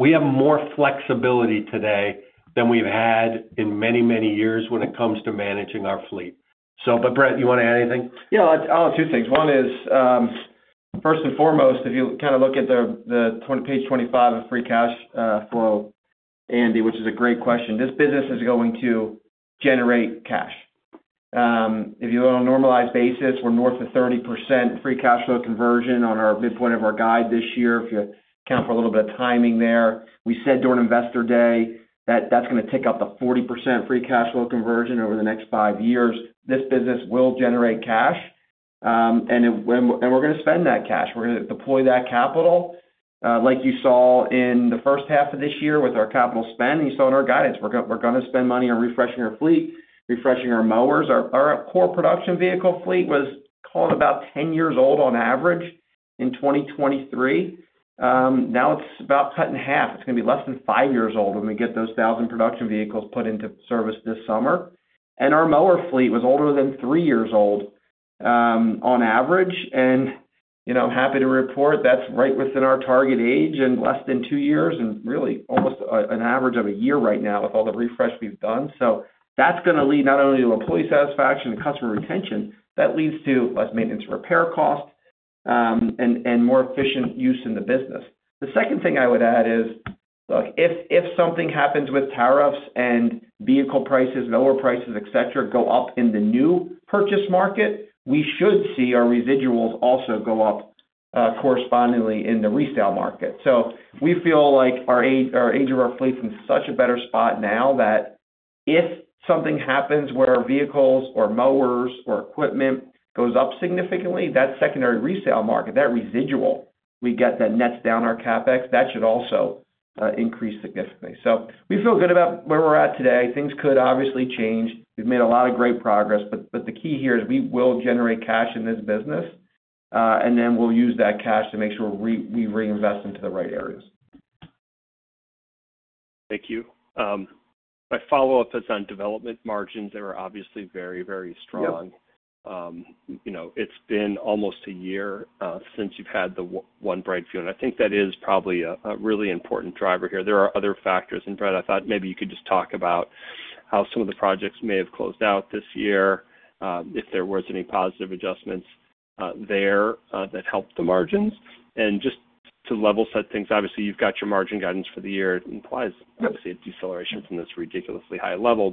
We have more flexibility today than we've had in many, many years when it comes to managing our fleet. Brett, you want to add anything? Yeah. Two things. One is, first and foremost, if you kind of look at the page 25 of Free Cash Flow, Andy, which is a great question, this business is going to generate cash. If you look on a normalized basis, we're north of 30% free cash flow conversion on our midpoint of our guide this year. If you account for a little bit of timing there, we said during Investor Day that that's going to tick up to 40% free cash flow conversion over the next five years. This business will generate cash, and we're going to spend that cash. We're going to deploy that capital, like you saw in the first half of this year with our capital spend, and you saw in our guidance. We're going to spend money on refreshing our fleet, refreshing our mowers. Our core production vehicle fleet was called about 10 years old on average in 2023. Now it's about cut in half. It's going to be less than five years old when we get those 1,000 production vehicles put into service this summer. Our mower fleet was older than three years old on average. I'm happy to report that's right within our target age in less than two years and really almost an average of a year right now with all the refresh we've done. That is going to lead not only to employee satisfaction and customer retention. That leads to less maintenance and repair costs and more efficient use in the business. The second thing I would add is, look, if something happens with tariffs and vehicle prices, mower prices, etc., go up in the new purchase market, we should see our residuals also go up correspondingly in the resale market. We feel like our age of our fleet is in such a better spot now that if something happens where vehicles or mowers or equipment goes up significantly, that secondary resale market, that residual we get that nets down our CapEx, that should also increase significantly. We feel good about where we're at today. Things could obviously change. We've made a lot of great progress. The key here is we will generate cash in this business, and then we'll use that cash to make sure we reinvest into the right areas. Thank you. My follow-up is on development margins. They were obviously very, very strong. It's been almost a year since you've had the One BrightView, and I think that is probably a really important driver here. There are other factors. Brett, I thought maybe you could just talk about how some of the projects may have closed out this year, if there were any positive adjustments there that helped the margins. Just to level set things, obviously, you've got your margin guidance for the year. It implies obviously a deceleration from this ridiculously high level.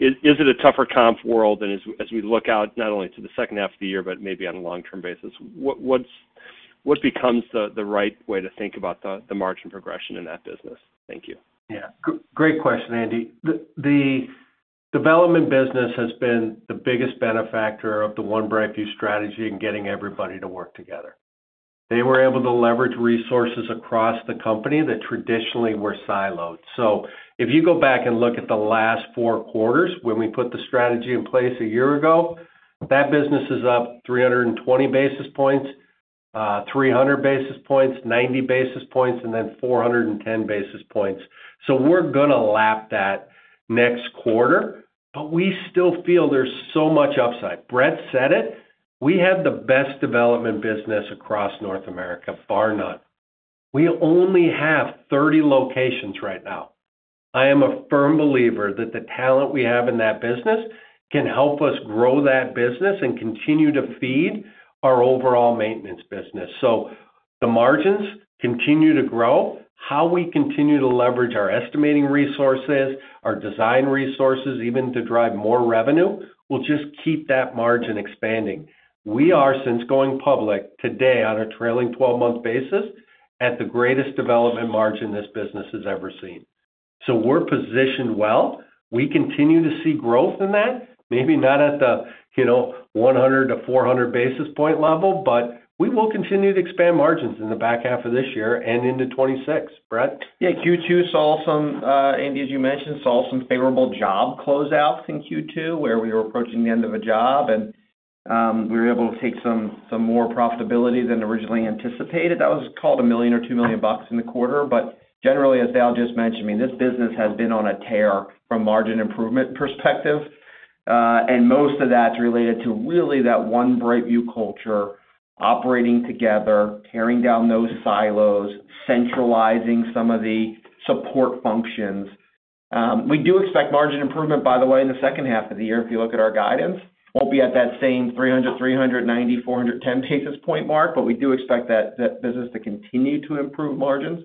Is it a tougher comp world? As we look out not only to the second half of the year, but maybe on a long-term basis, what becomes the right way to think about the margin progression in that business? Thank you. Yeah. Great question, Andy. The development business has been the biggest benefactor of the One BrightView strategy in getting everybody to work together. They were able to leverage resources across the company that traditionally were siloed. If you go back and look at the last four quarters when we put the strategy in place a year ago, that business is up 320 basis points, 300 basis points, 90 basis points, and then 410 basis points. We are going to lap that next quarter, but we still feel there is so much upside. Brett said it. We have the best development business across North America, bar none. We only have 30 locations right now. I am a firm believer that the talent we have in that business can help us grow that business and continue to feed our overall maintenance business. The margins continue to grow. How we continue to leverage our estimating resources, our design resources, even to drive more revenue, will just keep that margin expanding. We are, since going public today on a trailing 12-month basis, at the greatest development margin this business has ever seen. We are positioned well. We continue to see growth in that, maybe not at the 100 basis point-400 basis point level, but we will continue to expand margins in the back half of this year and into 2026. Brett? Yeah. Q2 saw some, Andy, as you mentioned, saw some favorable job closeouts in Q2 where we were approaching the end of a job, and we were able to take some more profitability than originally anticipated. That was called a million or two million bucks in the quarter. Generally, as Dale just mentioned, I mean, this business has been on a tear from a margin improvement perspective. Most of that's related to really that one BrightView culture, operating together, tearing down those silos, centralizing some of the support functions. We do expect margin improvement, by the way, in the second half of the year. If you look at our guidance, it will not be at that same 300, 390, 410 basis point mark, but we do expect that business to continue to improve margins.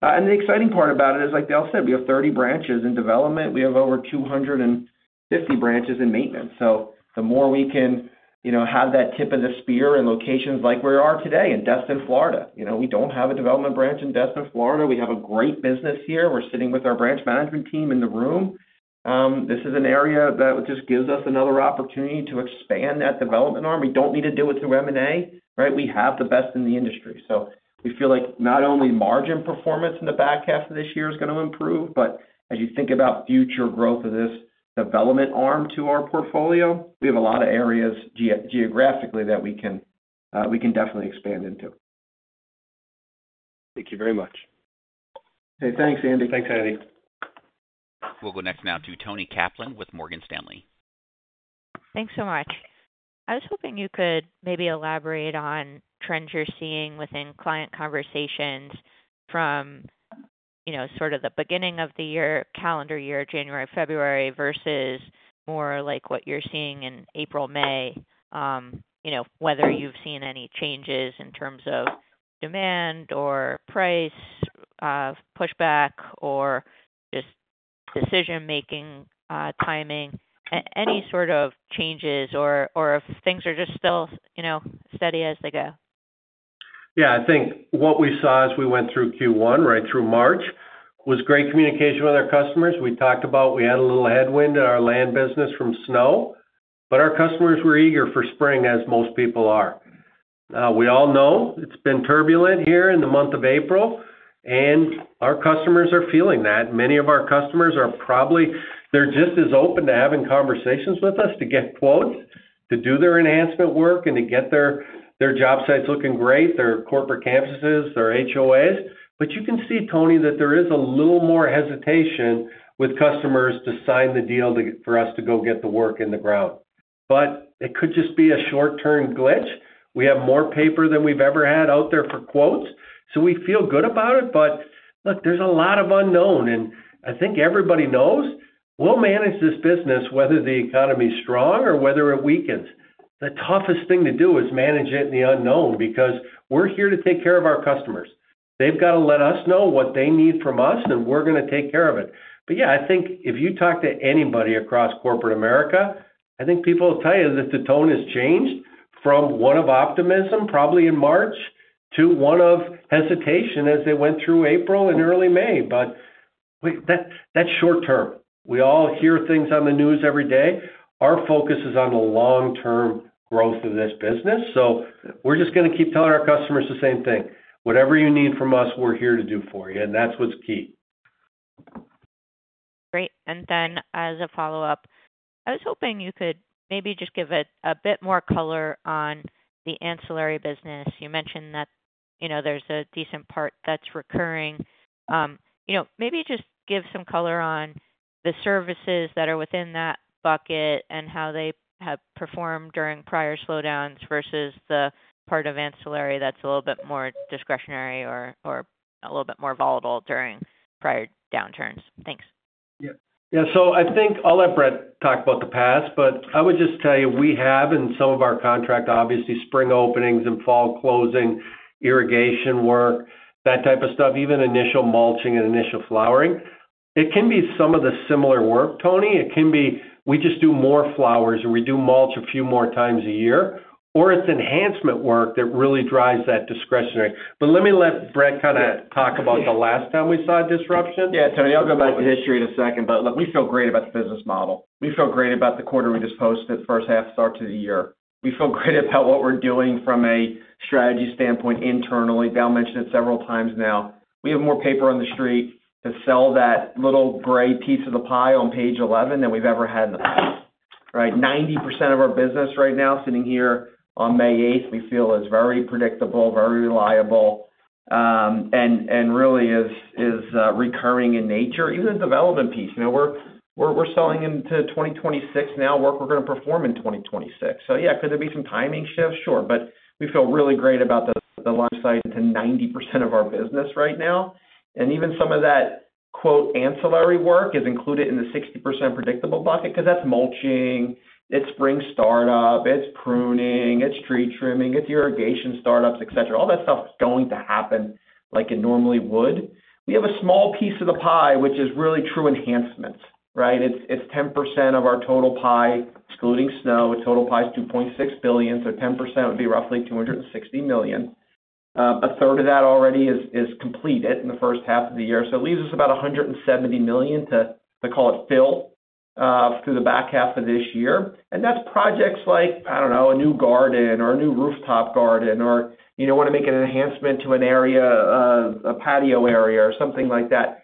The exciting part about it is, like Dale said, we have 30 branches in development. We have over 250 branches in maintenance. The more we can have that tip of the spear in locations like where we are today in Destin, Florida. We do not have a development branch in Destin, Florida. We have a great business here. We are sitting with our branch management team in the room. This is an area that just gives us another opportunity to expand that development arm. We don't need to do it through M&A, right? We have the best in the industry. So we feel like not only margin performance in the back half of this year is going to improve, but as you think about future growth of this development arm to our portfolio, we have a lot of areas geographically that we can definitely expand into. Thank you very much. Okay. Thanks, Andy. Thanks, Andy. We'll go next now to Toni Kaplan with Morgan Stanley. Thanks so much. I was hoping you could maybe elaborate on trends you're seeing within client conversations from sort of the beginning of the year, calendar year, January, February versus more like what you're seeing in April, May, whether you've seen any changes in terms of demand or price pushback or just decision-making timing, any sort of changes, or if things are just still steady as they go. Yeah. I think what we saw as we went through Q1, right through March, was great communication with our customers. We talked about we had a little headwind in our land business from snow, but our customers were eager for spring, as most people are. We all know it's been turbulent here in the month of April, and our customers are feeling that. Many of our customers are probably—they're just as open to having conversations with us to get quotes, to do their enhancement work, and to get their job sites looking great, their corporate campuses, their HOAs. You can see, Toni, that there is a little more hesitation with customers to sign the deal for us to go get the work in the ground. It could just be a short-term glitch. We have more paper than we've ever had out there for quotes. We feel good about it. Look, there's a lot of unknown. I think everybody knows we'll manage this business whether the economy is strong or whether it weakens. The toughest thing to do is manage it in the unknown because we're here to take care of our customers. They've got to let us know what they need from us, and we're going to take care of it. I think if you talk to anybody across corporate America, people will tell you that the tone has changed from one of optimism probably in March to one of hesitation as they went through April and early May. That's short-term. We all hear things on the news every day. Our focus is on the long-term growth of this business. We're just going to keep telling our customers the same thing. Whatever you need from us, we're here to do for you. That's what's key. Great. As a follow-up, I was hoping you could maybe just give a bit more color on the ancillary business. You mentioned that there's a decent part that's recurring. Maybe just give some color on the services that are within that bucket and how they have performed during prior slowdowns versus the part of ancillary that's a little bit more discretionary or a little bit more volatile during prior downturns. Thanks. Yeah. I think I'll let Brett talk about the past, but I would just tell you we have in some of our contract, obviously, spring openings and fall closing, irrigation work, that type of stuff, even initial mulching and initial flowering. It can be some of the similar work, Toni. It can be we just do more flowers, and we do mulch a few more times a year, or it is enhancement work that really drives that discretionary. Let Brett kind of talk about the last time we saw disruption. Yeah. Toni, I will go back to history in a second. Look, we feel great about the business model. We feel great about the quarter we just posted, first half start to the year. We feel great about what we are doing from a strategy standpoint internally. Dale mentioned it several times now. We have more paper on the street to sell that little gray piece of the pie on page 11 than we have ever had in the past, right? 90% of our business right now sitting here on May eight, we feel, is very predictable, very reliable, and really is recurring in nature. Even the development piece. We're selling into 2026 now, work we're going to perform in 2026. Yeah, could there be some timing shift? Sure. We feel really great about the lifecycle to 90% of our business right now. Even some of that, quote, ancillary work is included in the 60% predictable bucket because that's mulching, it's spring startup, it's pruning, it's tree trimming, it's irrigation startups, et cetera. All that stuff is going to happen like it normally would. We have a small piece of the pie, which is really true enhancements, right? It's 10% of our total pie, excluding snow. Total pie is $2.6 billion. So 10% would be roughly $260 million. A third of that already is completed in the first half of the year. It leaves us about $170 million to, I call it, fill through the back half of this year. That's projects like, I don't know, a new garden or a new rooftop garden or want to make an enhancement to an area, a patio area or something like that.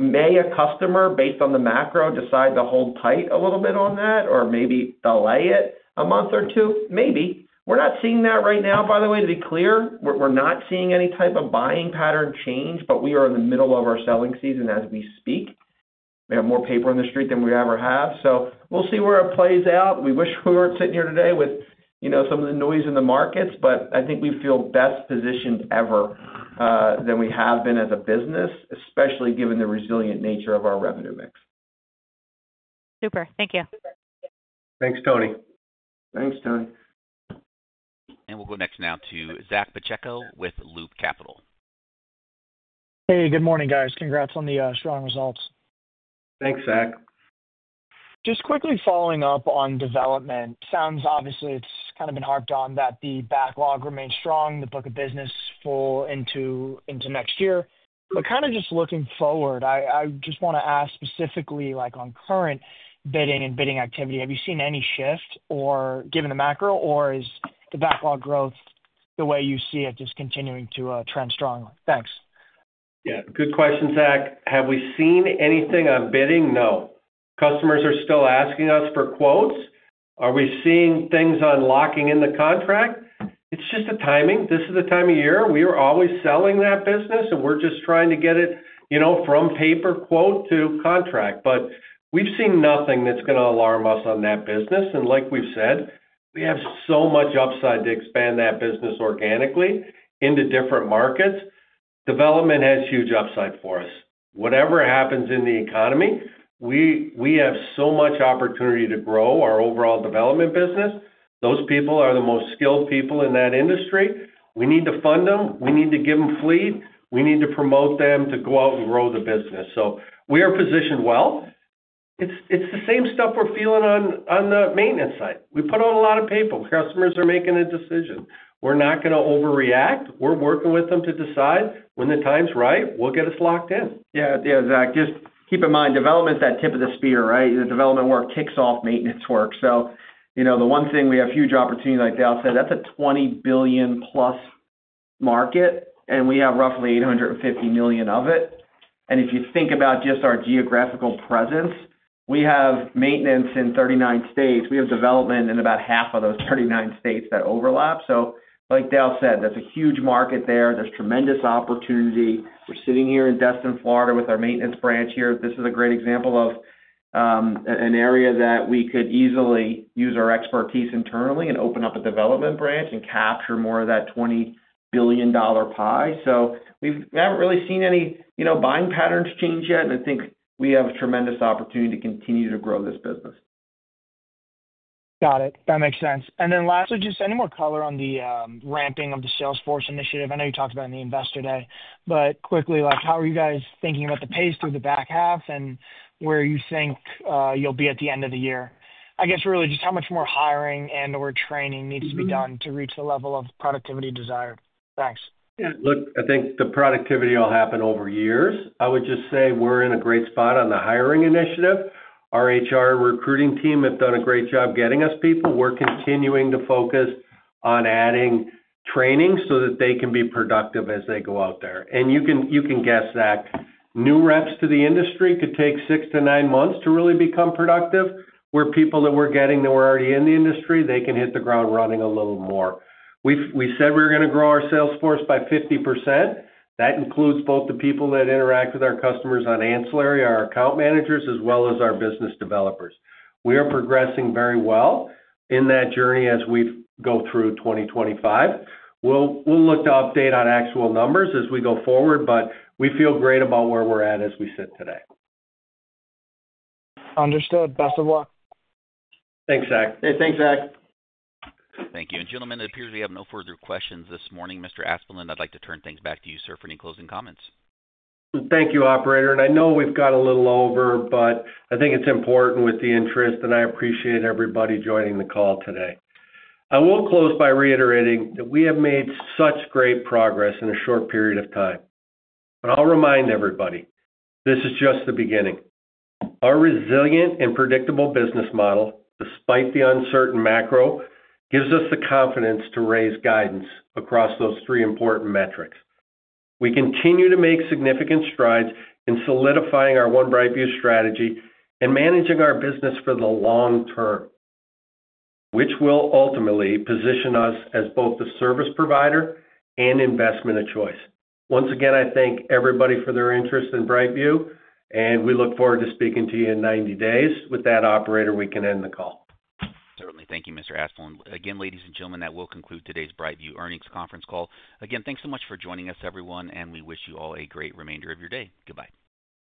May a customer, based on the macro, decide to hold tight a little bit on that or maybe delay it a month or two. Maybe. We're not seeing that right now, by the way, to be clear. We're not seeing any type of buying pattern change, but we are in the middle of our selling season as we speak. We have more paper in the street than we ever have. We'll see where it plays out. We wish we weren't sitting here today with some of the noise in the markets, but I think we feel best positioned ever than we have been as a business, especially given the resilient nature of our revenue mix. Super. Thank you. Thanks, Toni. We'll go next now to Zach Pacheco with Loop Capital. Hey, good morning, guys. Congrats on the strong results. Thanks, Zach. Just quickly following up on development, sounds obviously it's kind of been harped on that the backlog remains strong, the book of business full into next year. Kind of just looking forward, I just want to ask specifically on current bidding and bidding activity, have you seen any shift given the macro, or is the backlog growth the way you see it just continuing to trend strongly? Thanks. Yeah. Good question, Zach. Have we seen anything on bidding? No. Customers are still asking us for quotes. Are we seeing things on locking in the contract? It's just the timing. This is the time of year. We are always selling that business, and we're just trying to get it from paper quote to contract. We have seen nothing that is going to alarm us on that business. Like we have said, we have so much upside to expand that business organically into different markets. Development has huge upside for us. Whatever happens in the economy, we have so much opportunity to grow our overall development business. Those people are the most skilled people in that industry. We need to fund them. We need to give them fleet. We need to promote them to go out and grow the business. We are positioned well. It is the same stuff we are feeling on the maintenance side. We put out a lot of paper. Customers are making a decision. We are not going to overreact. We are working with them to decide. When the time is right, we will get us locked in. Yeah. Yeah, Zach. Just keep in mind, development is that tip of the spear, right? The development work kicks off maintenance work. The one thing we have huge opportunity, like Dale said, that's a $20+ billion market, and we have roughly $850 million of it. If you think about just our geographical presence, we have maintenance in 39 states. We have development in about half of those 39 states that overlap. Like Dale said, that's a huge market there. There is tremendous opportunity. We're sitting here in Destin, Florida, with our maintenance branch here. This is a great example of an area that we could easily use our expertise internally and open up a development branch and capture more of that $20 billion pie. We have not really seen any buying patterns change yet. I think we have a tremendous opportunity to continue to grow this business. Got it. That makes sense. Lastly, just any more color on the ramping of the sales force initiative. I know you talked about it in the Investor Day. Quickly, how are you guys thinking about the pace through the back half and where you think you'll be at the end of the year? I guess really just how much more hiring and/or training needs to be done to reach the level of productivity desired. Thanks. Yeah. Look, I think the productivity will happen over years. I would just say we're in a great spot on the hiring initiative. Our HR recruiting team have done a great job getting us people. We're continuing to focus on adding training so that they can be productive as they go out there. You can guess that new reps to the industry could take six to nine months to really become productive, where people that we're getting that were already in the industry, they can hit the ground running a little more. We said we were going to grow our sales force by 50%. That includes both the people that interact with our customers on ancillary, our account managers, as well as our business developers. We are progressing very well in that journey as we go through 2025. We'll look to update on actual numbers as we go forward, but we feel great about where we're at as we sit today. Understood. Best of luck. Thanks, Zach. Hey, thanks, Zach. Thank you. Gentlemen, it appears we have no further questions this morning. Mr. Asplund, I'd like to turn things back to you, sir, for any closing comments. Thank you, operator. I know we've gone a little over, but I think it's important with the interest, and I appreciate everybody joining the call today. I will close by reiterating that we have made such great progress in a short period of time. I'll remind everybody, this is just the beginning. Our resilient and predictable business model, despite the uncertain macro, gives us the confidence to raise guidance across those three important metrics. We continue to make significant strides in solidifying our One BrightView strategy and managing our business for the long term, which will ultimately position us as both the service provider and investment of choice. Once again, I thank everybody for their interest in BrightView, and we look forward to speaking to you in 90 days. With that, operator, we can end the call. Certainly. Thank you, Mr. Asplund. Again, ladies and gentlemen, that will conclude today's BrightView earnings conference call. Again, thanks so much for joining us, everyone, and we wish you all a great remainder of your day. Goodbye.